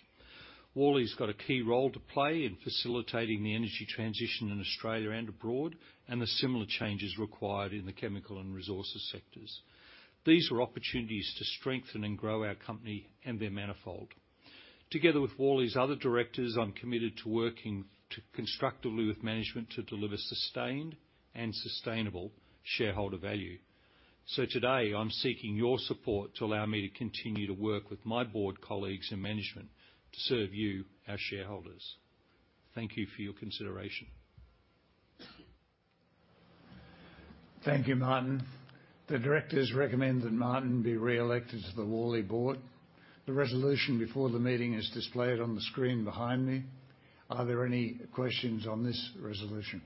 Worley's got a key role to play in facilitating the energy transition in Australia and abroad, and the similar changes required in the chemical and resources sectors. These are opportunities to strengthen and grow our company, and they're manifold. Together with Worley's other directors, I'm committed to working to constructively with management to deliver sustained and sustainable shareholder value. Today, I'm seeking your support to allow me to continue to work with my Board colleagues and management to serve you, our shareholders. Thank you for your consideration. Thank you, Martin. The directors recommend that Martin be reelected to the Worley Board. The resolution before the meeting is displayed on the screen behind me. Are there any questions on this resolution?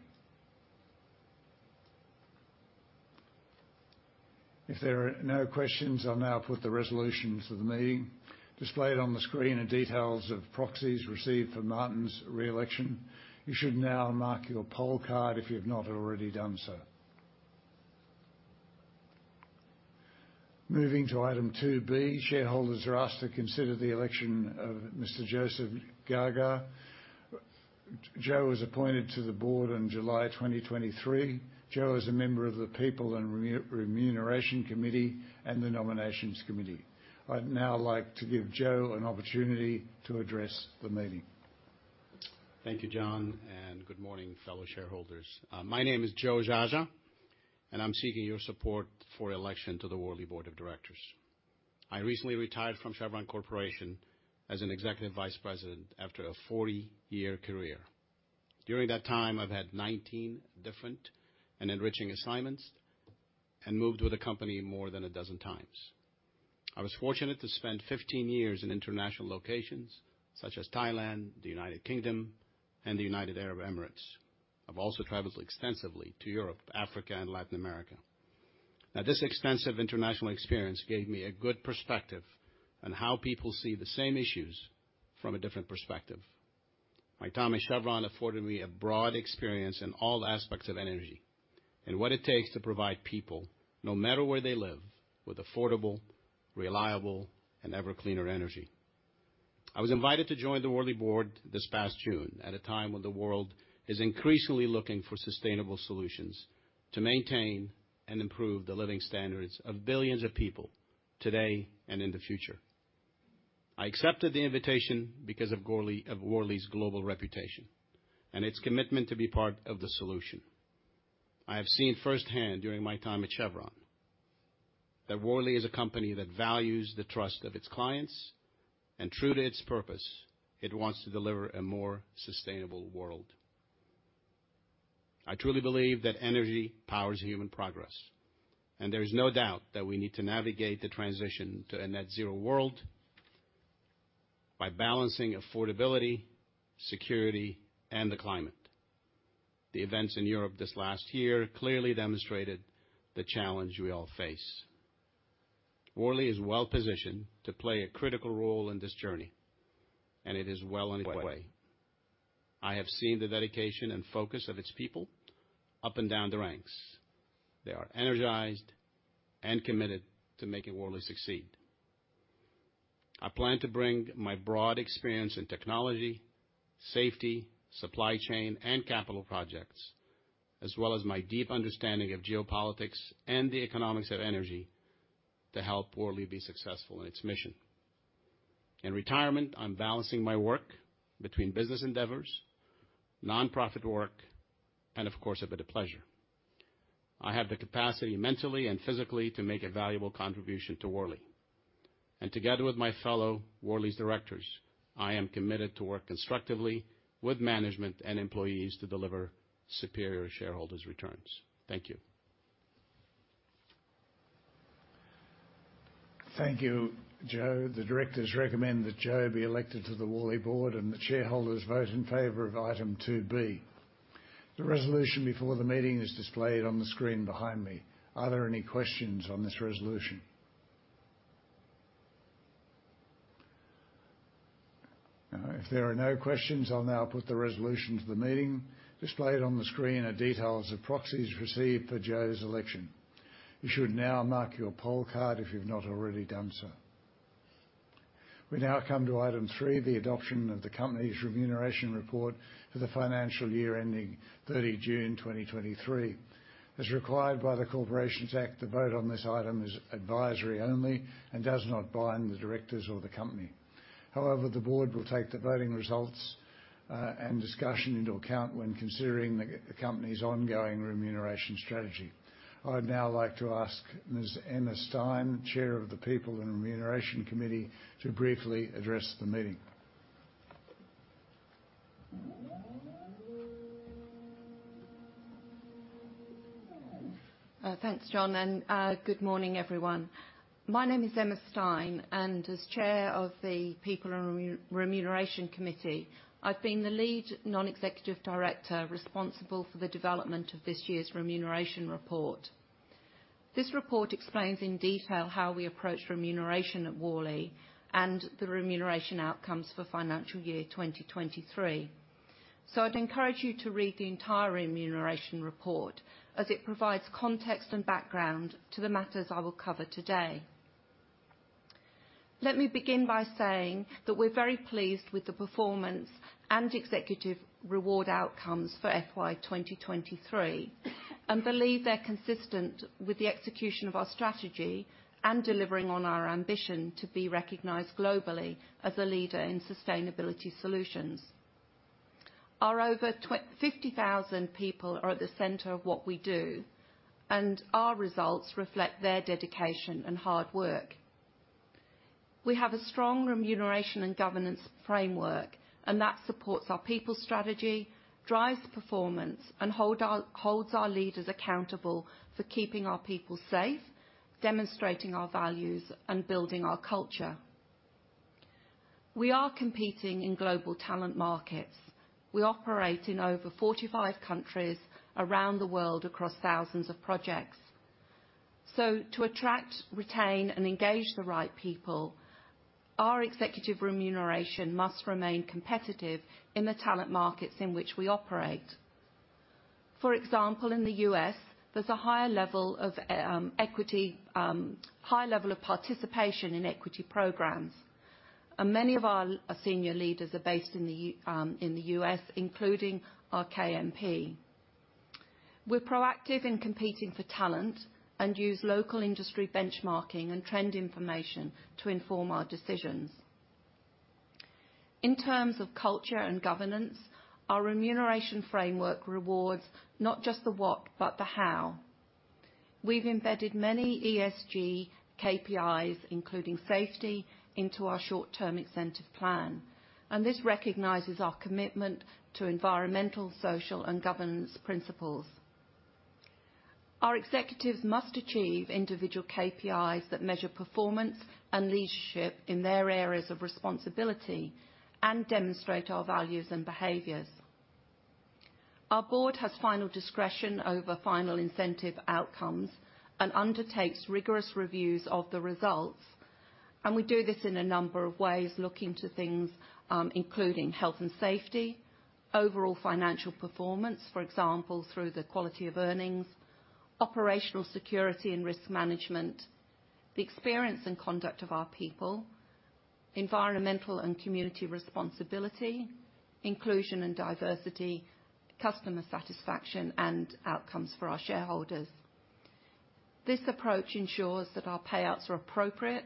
If there are no questions, I'll now put the resolution to the meeting. Displayed on the screen are details of proxies received for Martin's re-election. You should now mark your poll card if you have not already done so. Moving to Item 2B, shareholders are asked to consider the election of Mr. Joseph Geagea. Joe was appointed to the Board in July 2023. Joe is a member of the People and Remuneration Committee and the Nominations Committee. I'd now like to give Joe an opportunity to address the meeting. Thank you, John, and good morning, fellow shareholders. My name is Joe Geagea, and I'm seeking your support for election to the Worley Board of Directors. I recently retired from Chevron Corporation as an Executive Vice President after a 40-year career. During that time, I've had 19 different and enriching assignments and moved with the company more than a dozen times. I was fortunate to spend 15 years in international locations such as Thailand, the United Kingdom, and the United Arab Emirates. I've also traveled extensively to Europe, Africa, and Latin America. Now, this extensive international experience gave me a good perspective on how people see the same issues from a different perspective. My time at Chevron afforded me a broad experience in all aspects of energy and what it takes to provide people, no matter where they live, with affordable, reliable, and ever cleaner energy. I was invited to join the Worley Board this past June, at a time when the world is increasingly looking for sustainable solutions to maintain and improve the living standards of billions of people today and in the future. I accepted the invitation because of Worley's global reputation and its commitment to be part of the solution. I have seen firsthand during my time at Chevron that Worley is a company that values the trust of its clients, and true to its purpose, it wants to deliver a more sustainable world. I truly believe that energy powers human progress, and there is no doubt that we need to navigate the transition to a net zero world by balancing affordability, security, and the climate. The events in Europe this last year clearly demonstrated the challenge we all face. Worley is well positioned to play a critical role in this journey, and it is well on its way. I have seen the dedication and focus of its people up and down the ranks. They are energized and committed to making Worley succeed. I plan to bring my broad experience in technology, safety, supply chain, and capital projects, as well as my deep understanding of geopolitics and the economics of energy, to help Worley be successful in its mission. In retirement, I'm balancing my work between business endeavors, nonprofit work, and, of course, a bit of pleasure. I have the capacity mentally and physically to make a valuable contribution to Worley. Together with my fellow Worley's directors, I am committed to work constructively with management and employees to deliver superior shareholders' returns. Thank you. Thank you, Joe. The Directors recommend that Joe be elected to the Worley Board, and the shareholders vote in favor of item 2B. The resolution before the meeting is displayed on the screen behind me. Are there any questions on this resolution? If there are no questions, I'll now put the resolution to the meeting. Displayed on the screen are details of proxies received for Joe's election. You should now mark your poll card if you've not already done so. We now come to item three, the adoption of the company's remuneration report for the financial year ending 30 June 2023. As required by the Corporations Act, the vote on this item is advisory only and does not bind the Directors or the company. However, the Board will take the voting results and discussion into account when considering the company's ongoing remuneration strategy. I'd now like to ask Ms. Emma Stein, Chair of the People and Remuneration Committee, to briefly address the meeting. Thanks, John, and good morning, everyone. My name is Emma Stein, and as Chair of the People and Remuneration Committee, I've been the lead Non-Executive Director responsible for the development of this year's Remuneration Report. This report explains in detail how we approach remuneration at Worley and the remuneration outcomes for financial year 2023. I'd encourage you to read the entire Remuneration Report, as it provides context and background to the matters I will cover today. Let me begin by saying that we're very pleased with the performance and executive reward outcomes for FY 2023, and believe they're consistent with the execution of our strategy and delivering on our ambition to be recognized globally as a leader in sustainability solutions. Our over 50,000 people are at the center of what we do, and our results reflect their dedication and hard work. We have a strong remuneration and governance framework, and that supports our people strategy, drives performance, and holds our leaders accountable for keeping our people safe, demonstrating our values, and building our culture. We are competing in global talent markets. We operate in over 45 countries around the world, across thousands of projects. To attract, retain, and engage the right people, our executive remuneration must remain competitive in the talent markets in which we operate. For example, in the U.S., there's a higher level of equity, high level of participation in equity programs, and many of our senior leaders are based in the U.S., including our KMP. We're proactive in competing for talent and use local industry benchmarking and trend information to inform our decisions. In terms of culture and governance, our remuneration framework rewards not just the what, but the how. We've embedded many ESG KPIs, including safety, into our short-term incentive plan, and this recognizes our commitment to environmental, social, and governance principles. Our executives must achieve individual KPIs that measure performance and leadership in their areas of responsibility and demonstrate our values and behaviors. Our Board has final discretion over final incentive outcomes and undertakes rigorous reviews of the results, and we do this in a number of ways, looking to things including health and safety, overall financial performance, for example, through the quality of earnings, operational security and risk management, the experience and conduct of our people, environmental and community responsibility, inclusion and diversity, customer satisfaction, and outcomes for our shareholders. This approach ensures that our payouts are appropriate,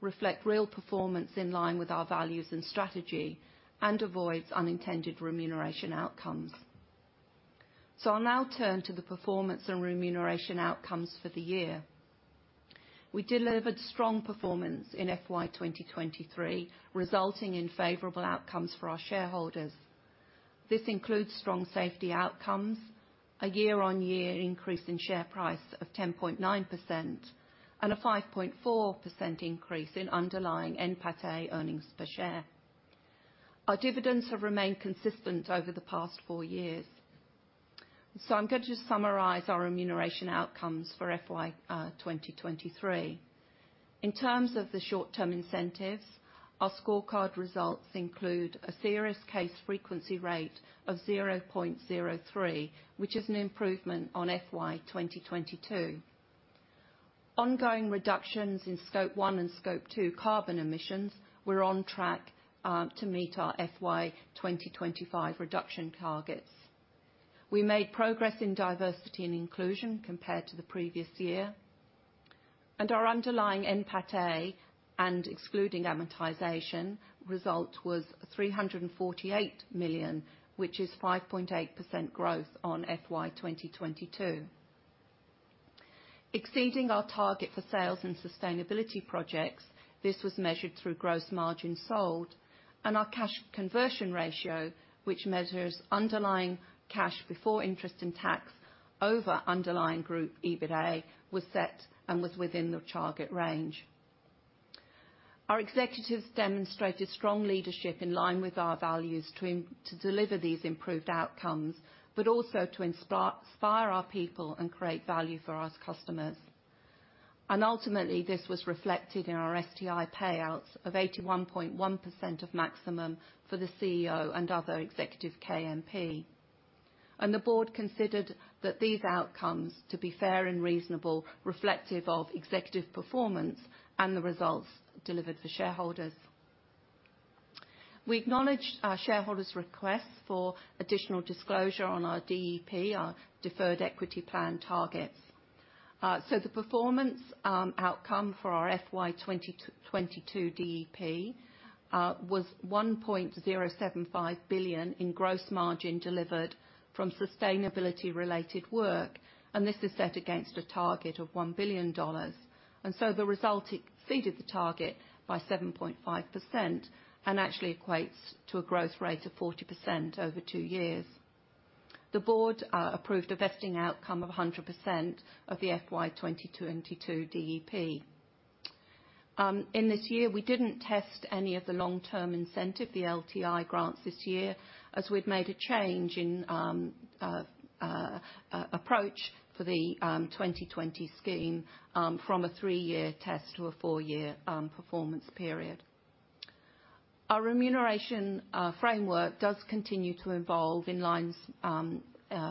reflect real performance in line with our values and strategy, and avoids unintended remuneration outcomes. I'll now turn to the performance and remuneration outcomes for the year. We delivered strong performance in FY 2023, resulting in favorable outcomes for our shareholders. This includes strong safety outcomes, a year-on-year increase in share price of 10.9%, and a 5.4% increase in underlying NPATA earnings per share. Our dividends have remained consistent over the past four years. I'm going to just summarize our remuneration outcomes for FY 2023. In terms of the short-term incentives, our scorecard results include a serious case frequency rate of 0.03, which is an improvement on FY 2022. Ongoing reductions in Scope 1 and Scope 2 carbon emissions, we're on track to meet our FY 2025 reduction targets. We made progress in diversity and inclusion compared to the previous year. Our underlying NPAT and excluding amortization result was 348 million, which is 5.8% growth on FY 2022. Exceeding our target for sales and sustainability projects, this was measured through gross margin sold and our cash conversion ratio, which measures underlying cash before interest and tax over underlying group EBITDA, was set and was within the target range. Our executives demonstrated strong leadership in line with our values to deliver these improved outcomes, but also to inspire our people and create value for our customers. Ultimately, this was reflected in our STI payouts of 81.1% of maximum for the CEO and other executive KMP. The Board considered that these outcomes to be fair and reasonable, reflective of executive performance and the results delivered for shareholders. We acknowledge our shareholders' request for additional disclosure on our DEP, our Deferred Equity Plan targets. The performance outcome for our FY 2022 DEP was 1.075 billion in gross margin delivered from sustainability-related work, and this is set against a target of 1 billion dollars. The result exceeded the target by 7.5% and actually equates to a growth rate of 40% over two years. The Board approved a vesting outcome of 100% of the FY 2022 DEP. In this year, we didn't test any of the long-term incentive, the LTI grants this year, as we'd made a change in approach for the 2020 scheme from a three-year test to a four-year performance period. Our remuneration framework does continue to evolve in lines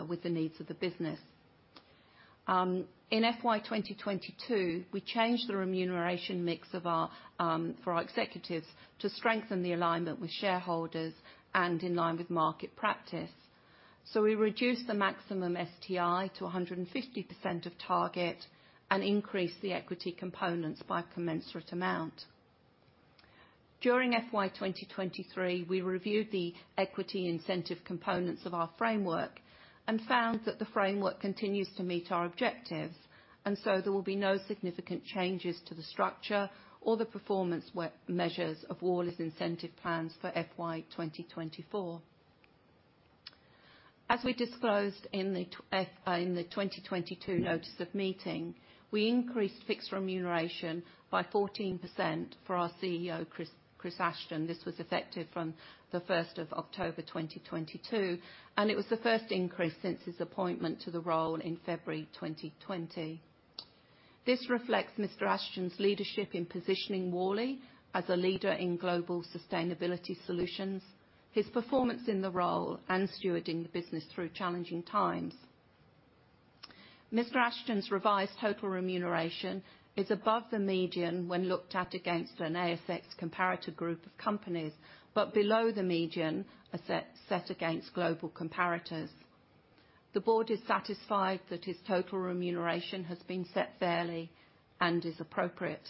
with the needs of the business. In FY 2022, we changed the remuneration mix for our executives to strengthen the alignment with shareholders and in line with market practice. We reduced the maximum STI to 150% of target and increased the equity components by a commensurate amount. During FY 2023, we reviewed the equity incentive components of our framework and found that the framework continues to meet our objectives, and so there will be no significant changes to the structure or the performance measures of Worley's incentive plans for FY 2024. As we disclosed in the 2022 notice of meeting, we increased fixed remuneration by 14% for our CEO, Chris Ashton. This was effective from the first of October 2022, and it was the first increase since his appointment to the role in February 2020. This reflects Mr. Ashton's leadership in positioning Worley as a leader in global sustainability solutions, his performance in the role, and stewarding the business through challenging times. Mr. Ashton's revised total remuneration is above the median when looked at against an ASX comparator group of companies, but below the median set against global comparators. The Board is satisfied that his total remuneration has been set fairly and is appropriate.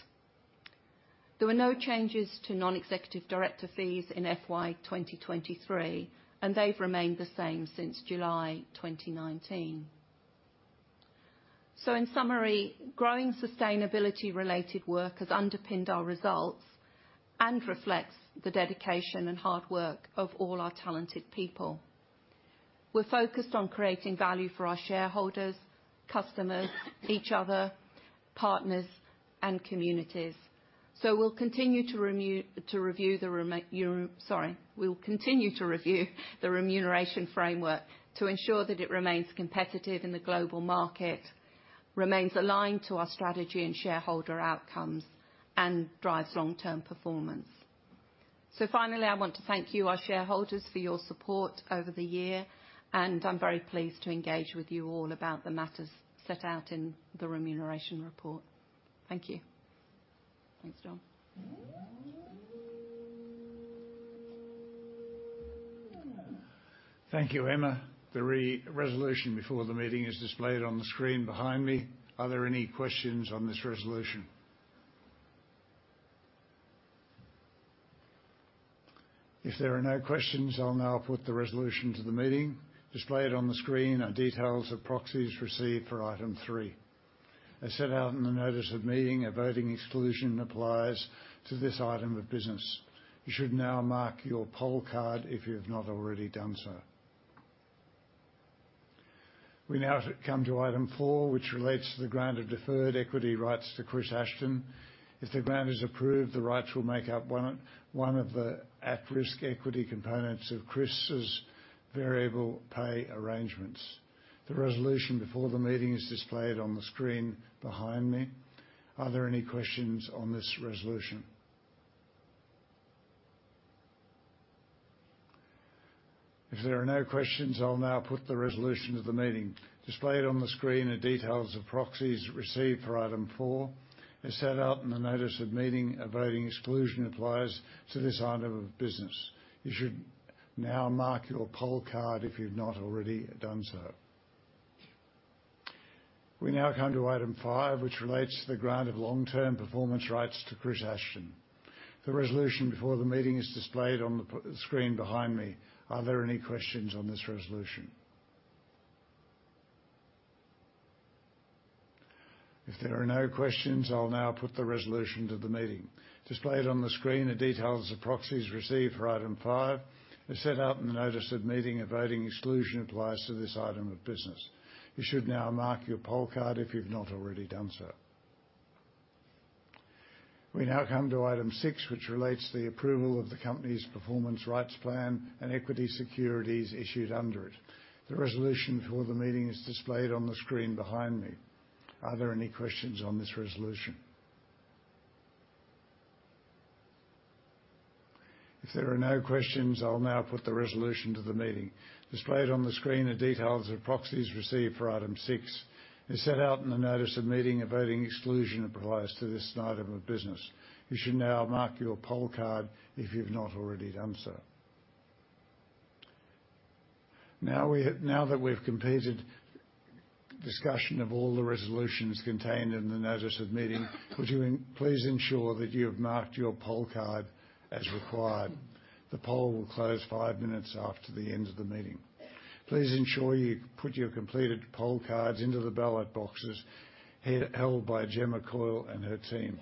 There were no changes to Non-Executive Director fees in FY 2023, and they've remained the same since July 2019. In summary, growing sustainability-related work has underpinned our results and reflects the dedication and hard work of all our talented people. We're focused on creating value for our shareholders, customers, each other, partners, and communities. We will continue to review the remuneration framework to ensure that it remains competitive in the global market, remains aligned to our strategy and shareholder outcomes, and drives long-term performance. Finally, I want to thank you, our shareholders, for your support over the year, and I'm very pleased to engage with you all about the matters set out in the remuneration report. Thank you. Thanks, John. Thank you, Emma. The resolution before the meeting is displayed on the screen behind me. Are there any questions on this resolution? If there are no questions, I'll now put the resolution to the meeting. Displayed on the screen are details of proxies received for item three. As set out in the notice of meeting, a voting exclusion applies to this item of business. You should now mark your poll card if you've not already done so. We now come to item four, which relates to the grant of deferred equity rights to Chris Ashton. If the grant is approved, the rights will make up one of the at-risk equity components of Chris's variable pay arrangements. The resolution before the meeting is displayed on the screen behind me. Are there any questions on this resolution? If there are no questions, I'll now put the resolution to the meeting. Displayed on the screen are details of proxies received for item four. As set out in the notice of meeting, a voting exclusion applies to this item of business. You should now mark your poll card if you've not already done so. We now come to item five, which relates to the grant of long-term performance rights to Chris Ashton. The resolution before the meeting is displayed on the screen behind me. Are there any questions on this resolution? If there are no questions, I'll now put the resolution to the meeting. Displayed on the screen are details of proxies received for item five. As set out in the notice of meeting, a voting exclusion applies to this item of business. You should now mark your poll card if you've not already done so. We now come to item six, which relates to the approval of the company's performance rights plan and equity securities issued under it. The resolution for the meeting is displayed on the screen behind me. Are there any questions on this resolution? If there are no questions, I'll now put the resolution to the meeting. Displayed on the screen are details of proxies received for item six. As set out in the notice of meeting, a voting exclusion applies to this item of business. You should now mark your poll card if you've not already done so. Now that we've completed discussion of all the resolutions contained in the notice of meeting, would you please ensure that you have marked your poll card as required. The poll will close five minutes after the end of the meeting. Please ensure you put your completed poll cards into the ballot boxes here held by Gemma Coyle and her team.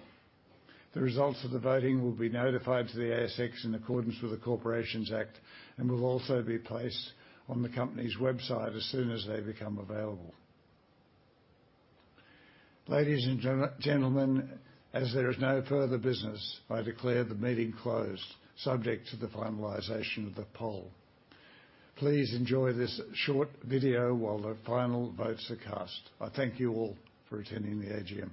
The results of the voting will be notified to the ASX in accordance with the Corporations Act, and will also be placed on the company's website as soon as they become available. Ladies and gentlemen, as there is no further business, I declare the meeting closed, subject to the finalization of the poll. Please enjoy this short video while the final votes are cast. I thank you all for attending the AGM.